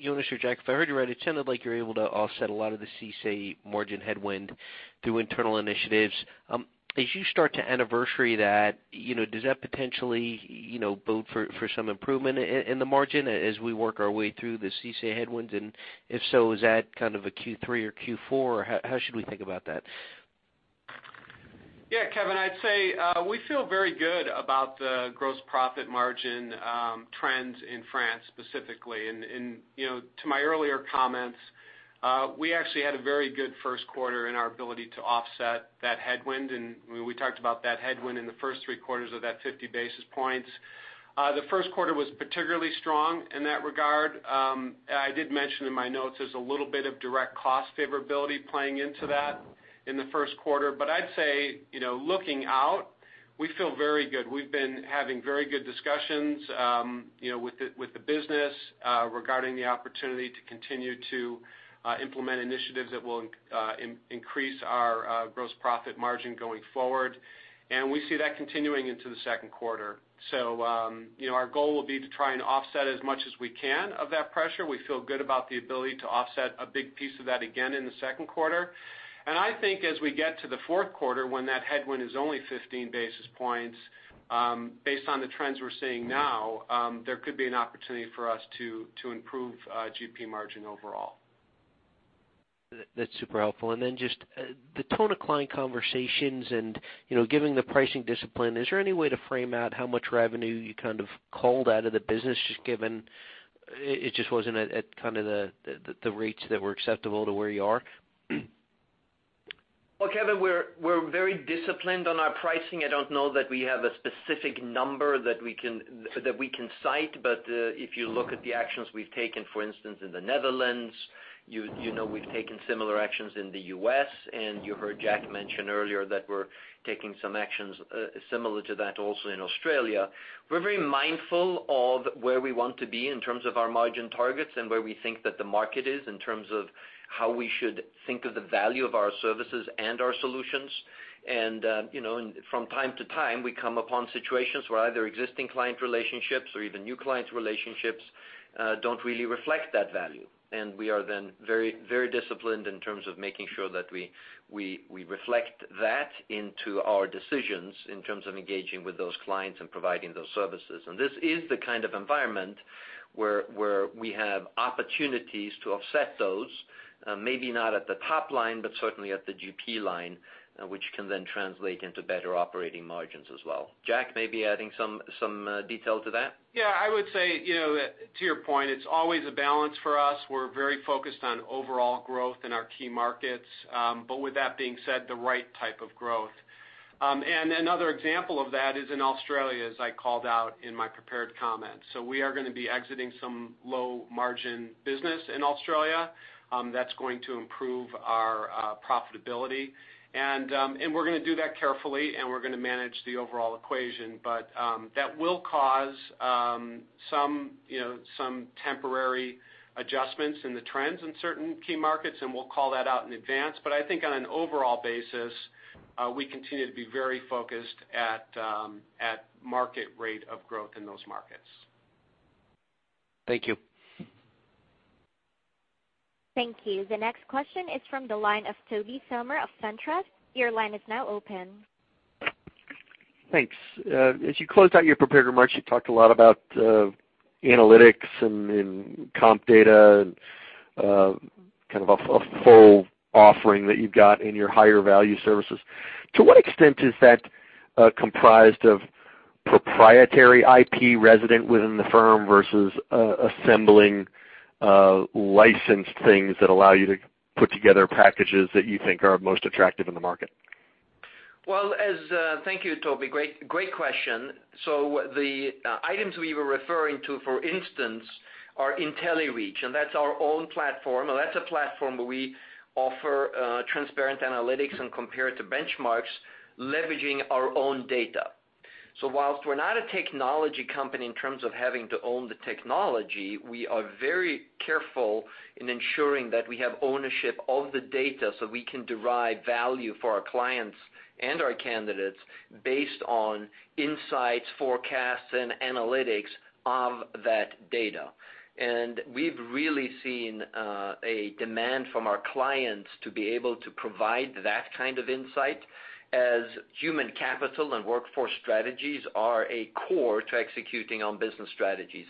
Jonas or Jack, if I heard you right, it sounded like you're able to offset a lot of the CICE margin headwind through internal initiatives. As you start to anniversary that, does that potentially bode for some improvement in the margin as we work our way through the CICE headwinds? If so, is that kind of a Q3 or Q4, or how should we think about that? Yeah, Kevin, I'd say we feel very good about the gross profit margin trends in France specifically. To my earlier comments, we actually had a very good Q1 in our ability to offset that headwind. We talked about that headwind in the first three quarters of that 50 basis points. Q1 was particularly strong in that regard. I did mention in my notes there's a little bit of direct cost favorability playing into that in Q1. I'd say, looking out, we feel very good. We've been having very good discussions with the business regarding the opportunity to continue to implement initiatives that will increase our gross profit margin going forward. We see that continuing into Q2. Our goal will be to try and offset as much as we can of that pressure. We feel good about the ability to offset a big piece of that again in Q2. I think as we get to Q4, when that headwind is only 15 basis points, based on the trends we're seeing now, there could be an opportunity for us to improve GP margin overall. That's super helpful. Just the tone of client conversations and, giving the pricing discipline, is there any way to frame out how much revenue you called out of the business, just given it just wasn't at the rates that were acceptable to where you are? Well, Kevin, we're very disciplined on our pricing. I don't know that we have a specific number that we can cite. If you look at the actions we've taken, for instance, in the Netherlands, you know we've taken similar actions in the U.S., and you heard Jack mention earlier that we're taking some actions similar to that also in Australia. We're very mindful of where we want to be in terms of our margin targets and where we think that the market is in terms of how we should think of the value of our services and our solutions. From time to time, we come upon situations where either existing client relationships or even new client relationships don't really reflect that value. We are then very disciplined in terms of making sure that we reflect that into our decisions in terms of engaging with those clients and providing those services. This is the kind of environment where we have opportunities to offset those, maybe not at the top line, but certainly at the GP line, which can then translate into better operating margins as well. Jack, maybe adding some detail to that. Yeah, I would say, to your point, it's always a balance for us. We're very focused on overall growth in our key markets. With that being said, the right type of growth. Another example of that is in Australia, as I called out in my prepared comments. We are going to be exiting some low-margin business in Australia. That's going to improve our profitability. We're going to do that carefully, and we're going to manage the overall equation. That will cause some temporary adjustments in the trends in certain key markets, and we'll call that out in advance. I think on an overall basis, we continue to be very focused at market rate of growth in those markets. Thank you. Thank you. The next question is from the line of Tobey Sommer of SunTrust. Your line is now open. Thanks. As you closed out your prepared remarks, you talked a lot about analytics and comp data and a full offering that you've got in your higher value services. To what extent is that comprised of proprietary IP resident within the firm versus assembling licensed things that allow you to put together packages that you think are most attractive in the market? Thank you, Tobey. Great question. The items we were referring to, for instance, are IntelliReach, and that's our own platform. That's a platform where we offer transparent analytics and comparative benchmarks leveraging our own data. Whilst we're not a technology company in terms of having to own the technology, we are very careful in ensuring that we have ownership of the data so we can derive value for our clients and our candidates based on insights, forecasts, and analytics of that data. We've really seen a demand from our clients to be able to provide that kind of insight as human capital and workforce strategies are a core to executing on business strategies.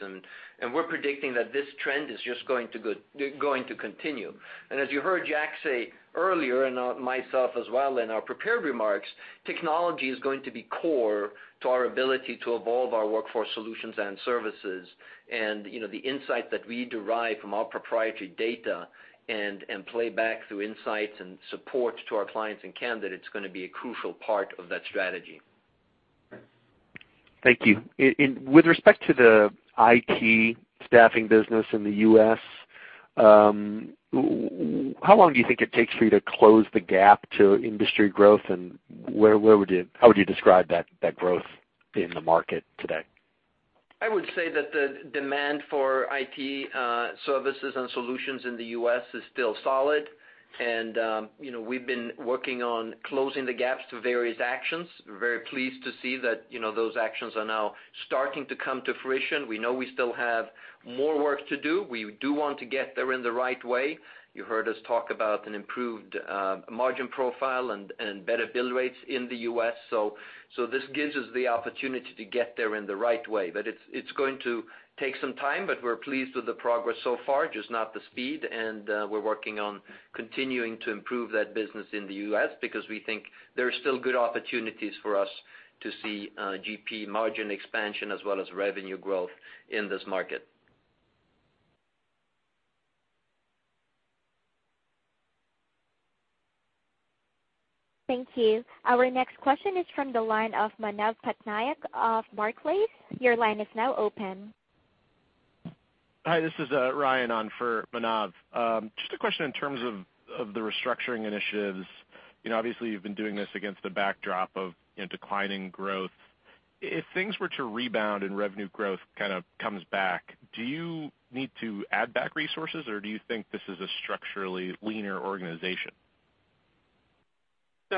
We're predicting that this trend is just going to continue. As you heard Jack say earlier, and myself as well in our prepared remarks, technology is going to be core to our ability to evolve our workforce solutions and services. The insight that we derive from our proprietary data and play back through insights and support to our clients and candidates is going to be a crucial part of that strategy. Thank you. With respect to the IT staffing business in the U.S., how long do you think it takes for you to close the gap to industry growth, and how would you describe that growth in the market today? I would say that the demand for IT services and solutions in the U.S. is still solid. We've been working on closing the gaps through various actions. We're very pleased to see that those actions are now starting to come to fruition. We know we still have more work to do. We do want to get there in the right way. You heard us talk about an improved margin profile and better bill rates in the U.S. This gives us the opportunity to get there in the right way. It's going to take some time, but we're pleased with the progress so far, just not the speed. We're working on continuing to improve that business in the U.S. because we think there's still good opportunities for us to see GP margin expansion as well as revenue growth in this market. Thank you. Our next question is from the line of Manav Patnaik of Barclays. Your line is now open. Hi, this is Ryan on for Manav. Just a question in terms of the restructuring initiatives. Obviously, you've been doing this against a backdrop of declining growth. If things were to rebound and revenue growth kind of comes back, do you need to add back resources, or do you think this is a structurally leaner organization?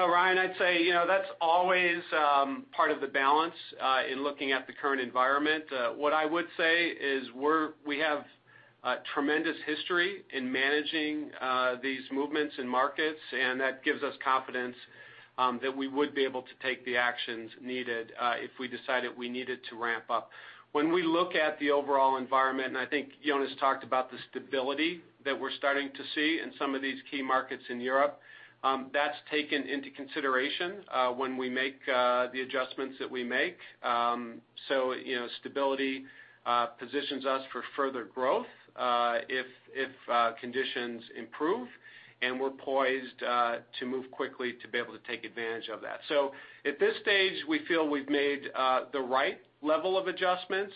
Ryan, I'd say, that's always part of the balance in looking at the current environment. What I would say is we have a tremendous history in managing these movements in markets, and that gives us confidence that we would be able to take the actions needed, if we decided we needed to ramp up. When we look at the overall environment, and I think Jonas talked about the stability that we're starting to see in some of these key markets in Europe, that's taken into consideration when we make the adjustments that we make. Stability positions us for further growth if conditions improve, and we're poised to move quickly to be able to take advantage of that. At this stage, we feel we've made the right level of adjustments.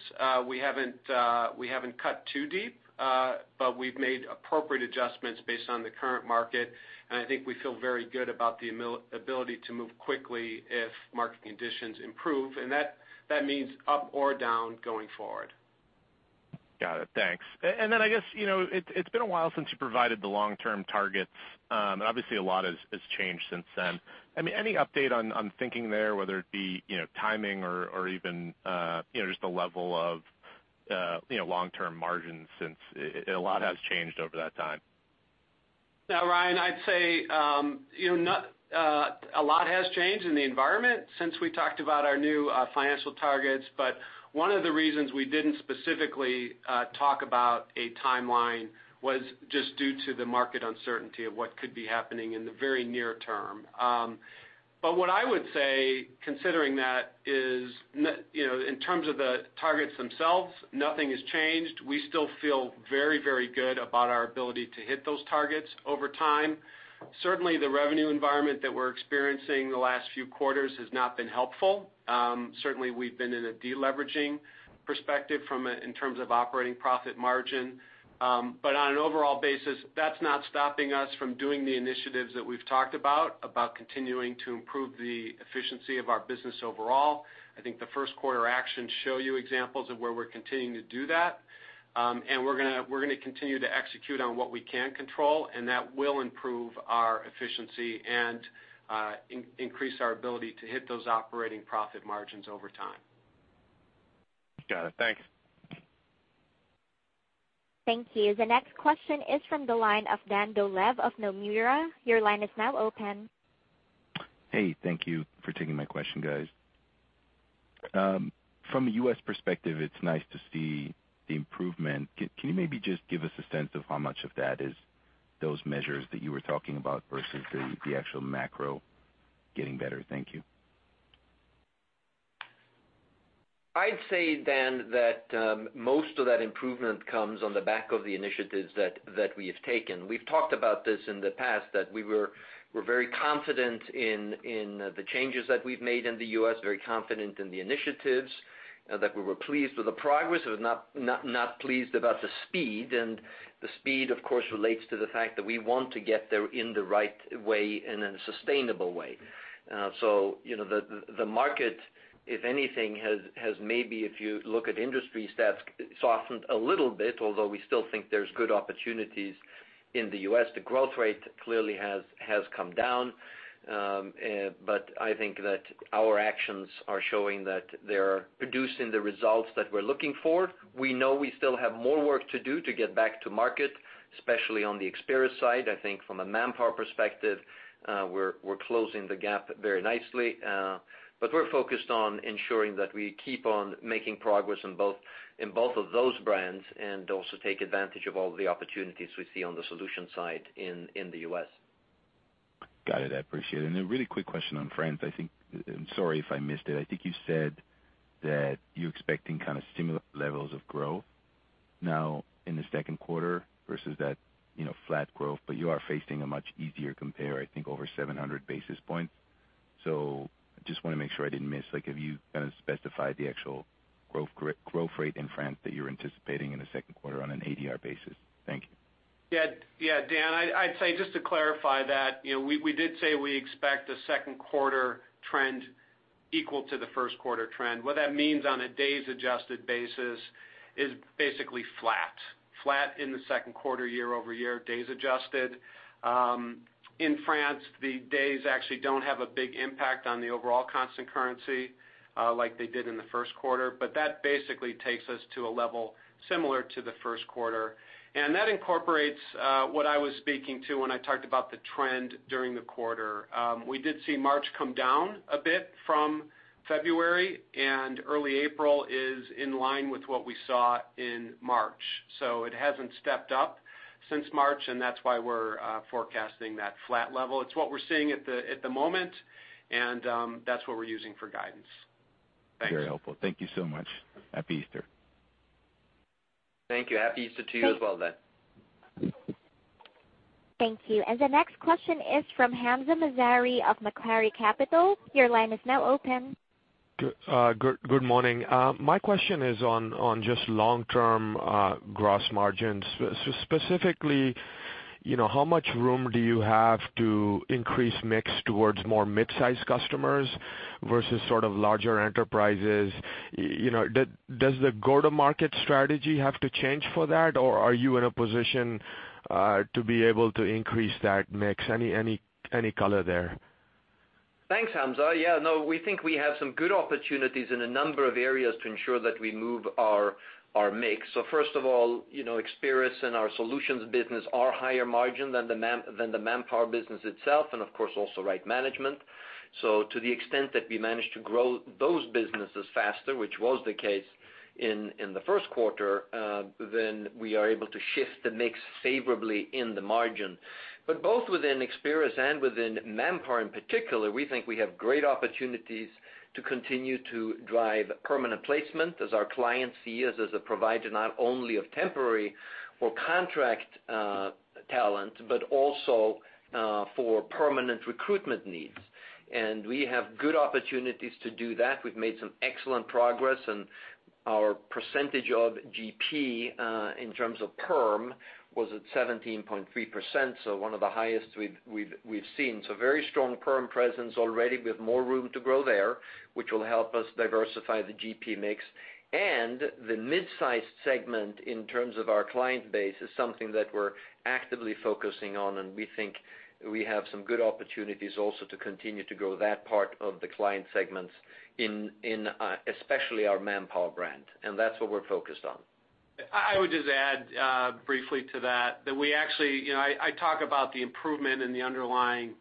We haven't cut too deep, but we've made appropriate adjustments based on the current market. I think we feel very good about the ability to move quickly if market conditions improve. That means up or down going forward. Got it. Thanks. Then, I guess, it's been a while since you provided the long-term targets. Obviously, a lot has changed since then. Any update on thinking there, whether it be timing or even just the level of long-term margins since a lot has changed over that time? No, Ryan, I'd say a lot has changed in the environment since we talked about our new financial targets. One of the reasons we didn't specifically talk about a timeline was just due to the market uncertainty of what could be happening in the very near term. What I would say, considering that is, in terms of the targets themselves, nothing has changed. We still feel very, very good about our ability to hit those targets over time. Certainly, the revenue environment that we're experiencing the last few quarters has not been helpful. Certainly, we've been in a de-leveraging perspective in terms of operating profit margin. On an overall basis, that's not stopping us from doing the initiatives that we've talked about continuing to improve the efficiency of our business overall. I think Q1 actions show you examples of where we're continuing to do that. We're going to continue to execute on what we can control. That will improve our efficiency and increase our ability to hit those operating profit margins over time. Got it. Thanks. Thank you. The next question is from the line of Dan Dolev of Nomura. Your line is now open. Hey, thank you for taking my question, guys. From a U.S. perspective, it's nice to see the improvement. Can you maybe just give us a sense of how much of that is those measures that you were talking about versus the actual macro getting better? Thank you. I'd say, Dan, that most of that improvement comes on the back of the initiatives that we have taken. We've talked about this in the past, that we're very confident in the changes that we've made in the U.S., very confident in the initiatives, that we were pleased with the progress, but not pleased about the speed. The speed, of course, relates to the fact that we want to get there in the right way and in a sustainable way. The market, if anything, has maybe, if you look at industry stats, softened a little bit, although we still think there's good opportunities in the U.S. The growth rate clearly has come down. I think that our actions are showing that they're producing the results that we're looking for. We know we still have more work to do to get back to market, especially on the Experis side. I think from a Manpower perspective, we're closing the gap very nicely. We're focused on ensuring that we keep on making progress in both of those brands and also take advantage of all the opportunities we see on the solution side in the U.S. Got it. I appreciate it. A really quick question on France. I'm sorry if I missed it. I think you said that you're expecting kind of similar levels of growth now in Q2 versus that flat growth, you are facing a much easier compare, I think over 700 basis points. I just want to make sure I didn't miss, have you kind of specified the actual growth rate in France that you're anticipating in Q2 on an ADR basis? Thank you. Yeah, Dan, I'd say, just to clarify that, we did say we expect a Q2 trend equal to Q1 trend. What that means on a days adjusted basis is basically flat. Flat in Q2 year-over-year, days adjusted. In France, the days actually don't have a big impact on the overall constant currency, like they did in Q1. That basically takes us to a level similar to Q1. That incorporates what I was speaking to when I talked about the trend during the quarter. We did see March come down a bit from February, and early April is in line with what we saw in March. It hasn't stepped up since March, and that's why we're forecasting that flat level. It's what we're seeing at the moment, and that's what we're using for guidance. Thanks. Very helpful. Thank you so much. Happy Easter. Thank you. Happy Easter to you as well then. Thank you. The next question is from Hamzah Mazari of Macquarie Capital. Your line is now open. Good morning. My question is on just long-term gross margins. Specifically, how much room do you have to increase mix towards more mid-size customers versus larger enterprises? Does the go-to-market strategy have to change for that, or are you in a position to be able to increase that mix? Any color there? Thanks, Hamzah. Yeah, no, we think we have some good opportunities in a number of areas to ensure that we move our mix. First of all, Experis and our solutions business are higher margin than the ManpowerGroup business itself and of course also Right Management. To the extent that we manage to grow those businesses faster, which was the case in Q1, then we are able to shift the mix favorably in the margin. Both within Experis and within Manpower in particular, we think we have great opportunities to continue to drive permanent placement as our clients see us as a provider, not only of temporary or contract talent, but also for permanent recruitment needs. We have good opportunities to do that. We've made some excellent progress, our percentage of GP, in terms of perm, was at 17.3%, so one of the highest we've seen. Very strong perm presence already. We have more room to grow there, which will help us diversify the GP mix. The mid-size segment in terms of our client base is something that we're actively focusing on, and we think we have some good opportunities also to continue to grow that part of the client segments in especially our Manpower brand. That's what we're focused on. I would just add briefly to that, I talk about the improvement in the underlying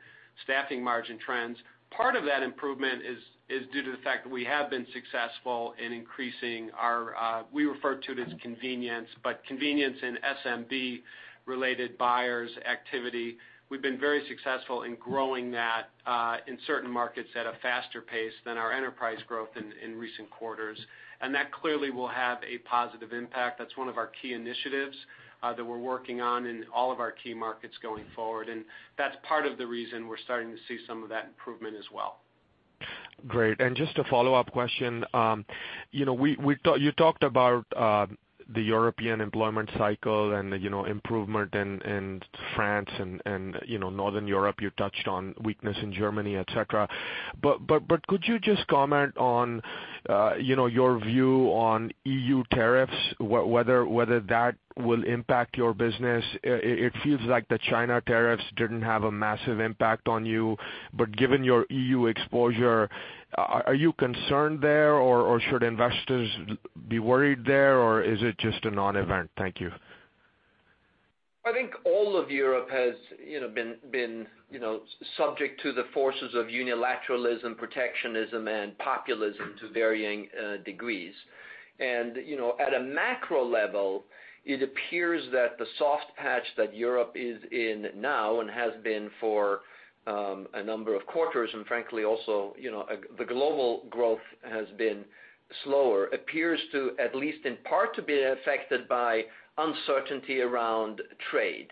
staffing margin trends. Part of that improvement is due to the fact that we have been successful in increasing our, we refer to it as convenience, but convenience in SMB-related buyers' activity. We've been very successful in growing that in certain markets at a faster pace than our enterprise growth in recent quarters. That clearly will have a positive impact. That's one of our key initiatives that we're working on in all of our key markets going forward, and that's part of the reason we're starting to see some of that improvement as well. Great. Just a follow-up question. You talked about the European employment cycle and the improvement in France and Northern Europe. You touched on weakness in Germany, et cetera. Could you just comment on your view on EU tariffs, whether that will impact your business? It feels like the China tariffs didn't have a massive impact on you, but given your EU exposure, are you concerned there, or should investors be worried there, or is it just a non-event? Thank you. I think all of Europe has been subject to the forces of unilateralism, protectionism, and populism to varying degrees. At a macro level, it appears that the soft patch that Europe is in now and has been for a number of quarters, and frankly, also the global growth has been slower, appears to, at least in part, to be affected by uncertainty around trade.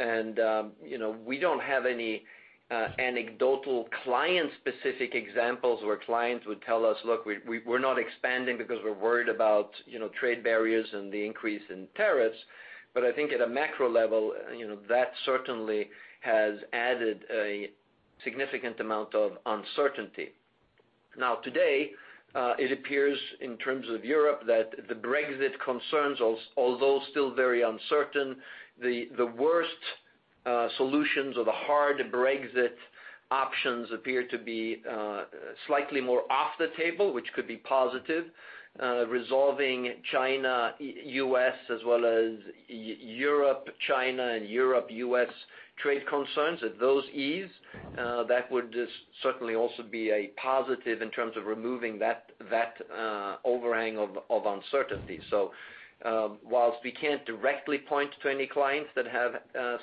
We don't have any anecdotal client-specific examples where clients would tell us, "Look, we're not expanding because we're worried about trade barriers and the increase in tariffs." I think at a macro level, that certainly has added a significant amount of uncertainty. Now, today, it appears in terms of Europe that the Brexit concerns, although still very uncertain, the worst solutions or the hard Brexit options appear to be slightly more off the table, which could be positive. Resolving China-U.S. as well as Europe-China and Europe-U.S. trade concerns, if those ease, that would just certainly also be a positive in terms of removing that overhang of uncertainty. Whilst we can't directly point to any clients that have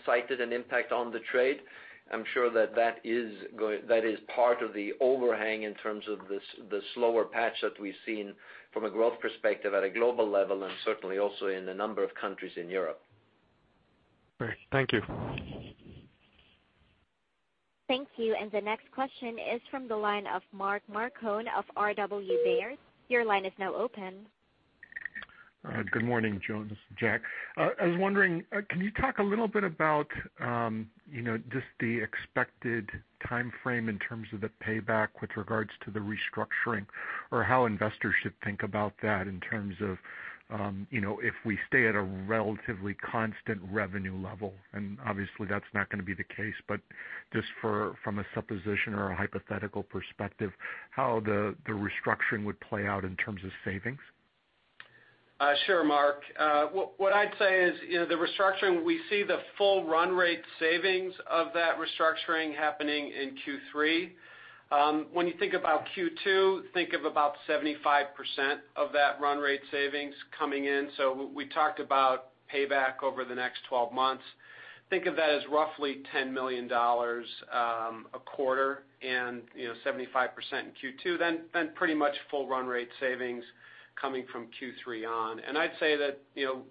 cited an impact on the trade, I'm sure that is part of the overhang in terms of the slower patch that we've seen from a growth perspective at a global level and certainly also in a number of countries in Europe. Great. Thank you. Thank you. The next question is from the line of Mark Marcon of Baird. Your line is now open. Good morning, gentlemen. I was wondering, can you talk a little bit about just the expected timeframe in terms of the payback with regards to the restructuring, or how investors should think about that in terms of if we stay at a relatively constant revenue level? Obviously that's not going to be the case, but just from a supposition or a hypothetical perspective, how the restructuring would play out in terms of savings? Sure, Mark. What I'd say is the restructuring, we see the full run rate savings of that restructuring happening in Q3. When you think about Q2, think of about 75% of that run rate savings coming in. We talked about payback over the next 12 months. Think of that as roughly $10 million a quarter and 75% in Q2, then pretty much full run rate savings coming from Q3 on. I'd say that,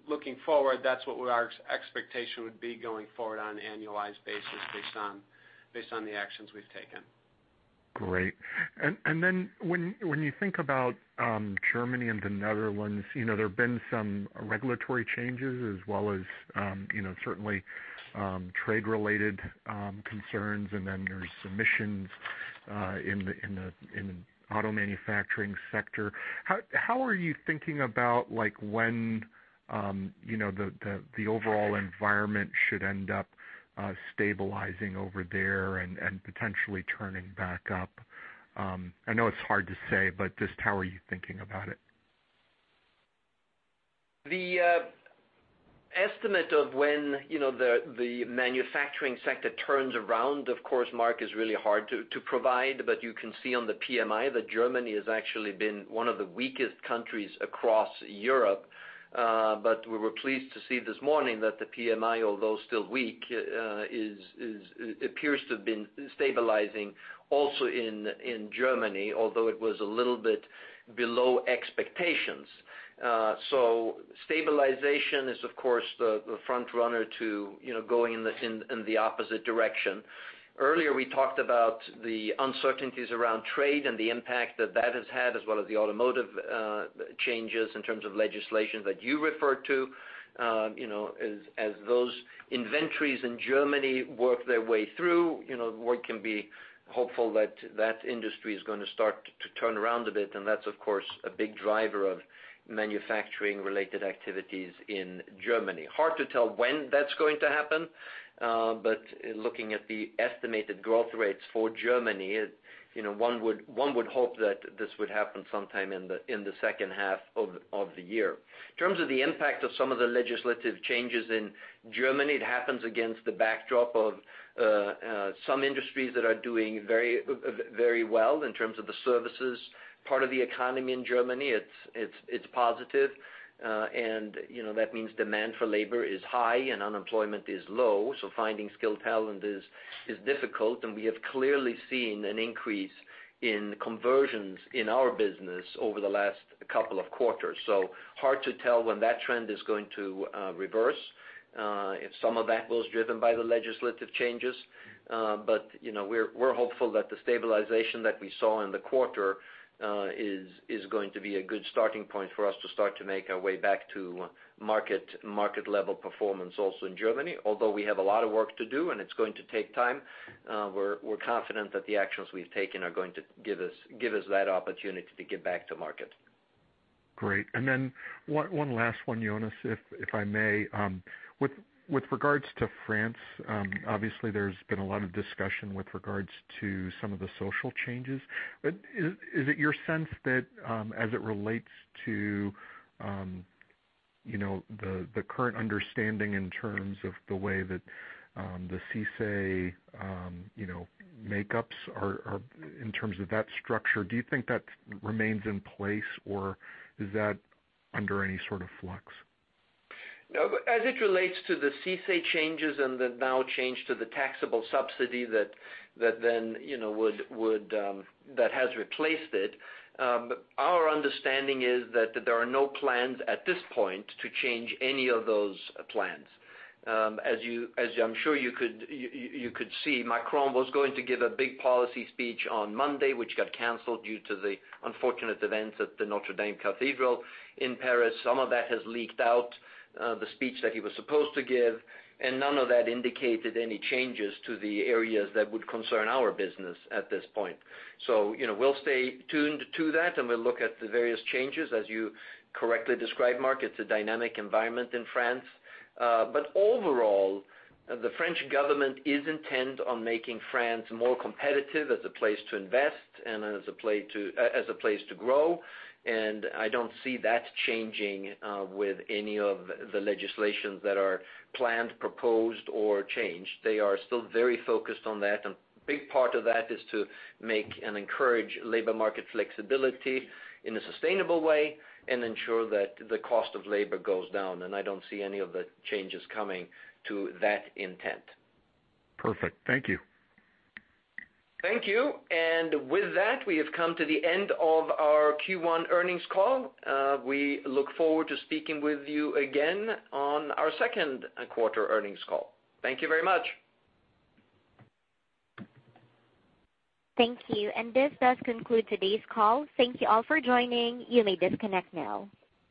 looking forward, that's what our expectation would be going forward on an annualized basis based on the actions we've taken. Great. When you think about Germany and the Netherlands, there have been some regulatory changes as well as certainly trade-related concerns, and then there's emissions in the auto manufacturing sector. How are you thinking about when the overall environment should end up stabilizing over there and potentially turning back up? I know it's hard to say, but just how are you thinking about it? The estimate of when the manufacturing sector turns around, of course, Mark, is really hard to provide, but you can see on the PMI that Germany has actually been one of the weakest countries across Europe. We were pleased to see this morning that the PMI, although still weak, appears to have been stabilizing also in Germany, although it was a little bit below expectations. Stabilization is, of course, the front runner to going in the opposite direction. Earlier, we talked about the uncertainties around trade and the impact that has had, as well as the automotive changes in terms of legislation that you referred to. As those inventories in Germany work their way through, one can be hopeful that industry is going to start to turn around a bit, and that's, of course, a big driver of manufacturing-related activities in Germany. Hard to tell when that's going to happen. Looking at the estimated growth rates for Germany, one would hope that this would happen sometime in the H2 of the year. In terms of the impact of some of the legislative changes in Germany, it happens against the backdrop of some industries that are doing very well in terms of the services part of the economy in Germany. It's positive, and that means demand for labor is high and unemployment is low, so finding skilled talent is difficult, and we have clearly seen an increase in conversions in our business over the last couple of quarters. Hard to tell when that trend is going to reverse, if some of that was driven by the legislative changes. We're hopeful that the stabilization that we saw in the quarter is going to be a good starting point for us to start to make our way back to market-level performance also in Germany. Although we have a lot of work to do and it's going to take time, we're confident that the actions we've taken are going to give us that opportunity to get back to market. Great. One last one, Jonas, if I may. With regards to France, obviously there's been a lot of discussion with regards to some of the social changes. Is it your sense that, as it relates to the current understanding in terms of the way that the CICE makeups are in terms of that structure, do you think that remains in place, or is that under any sort of flux? As it relates to the CICE changes and the now change to the taxable subsidy that has replaced it, our understanding is that there are no plans at this point to change any of those plans. As I'm sure you could see, Macron was going to give a big policy speech on Monday, which got canceled due to the unfortunate events at the Notre Dame Cathedral in Paris. Some of that has leaked out, the speech that he was supposed to give, none of that indicated any changes to the areas that would concern our business at this point. We'll stay tuned to that, and we'll look at the various changes. As you correctly described, Mark, it's a dynamic environment in France. Overall, the French government is intent on making France more competitive as a place to invest and as a place to grow, I don't see that changing with any of the legislations that are planned, proposed, or changed. They are still very focused on that, a big part of that is to make and encourage labor market flexibility in a sustainable way and ensure that the cost of labor goes down, I don't see any of the changes coming to that intent. Perfect. Thank you. Thank you. With that, we have come to the end of our Q1 Earnings Call. We look forward to speaking with you again on our Q2 Earnings Call. Thank you very much. Thank you. This does conclude today's call. Thank you all for joining. You may disconnect now.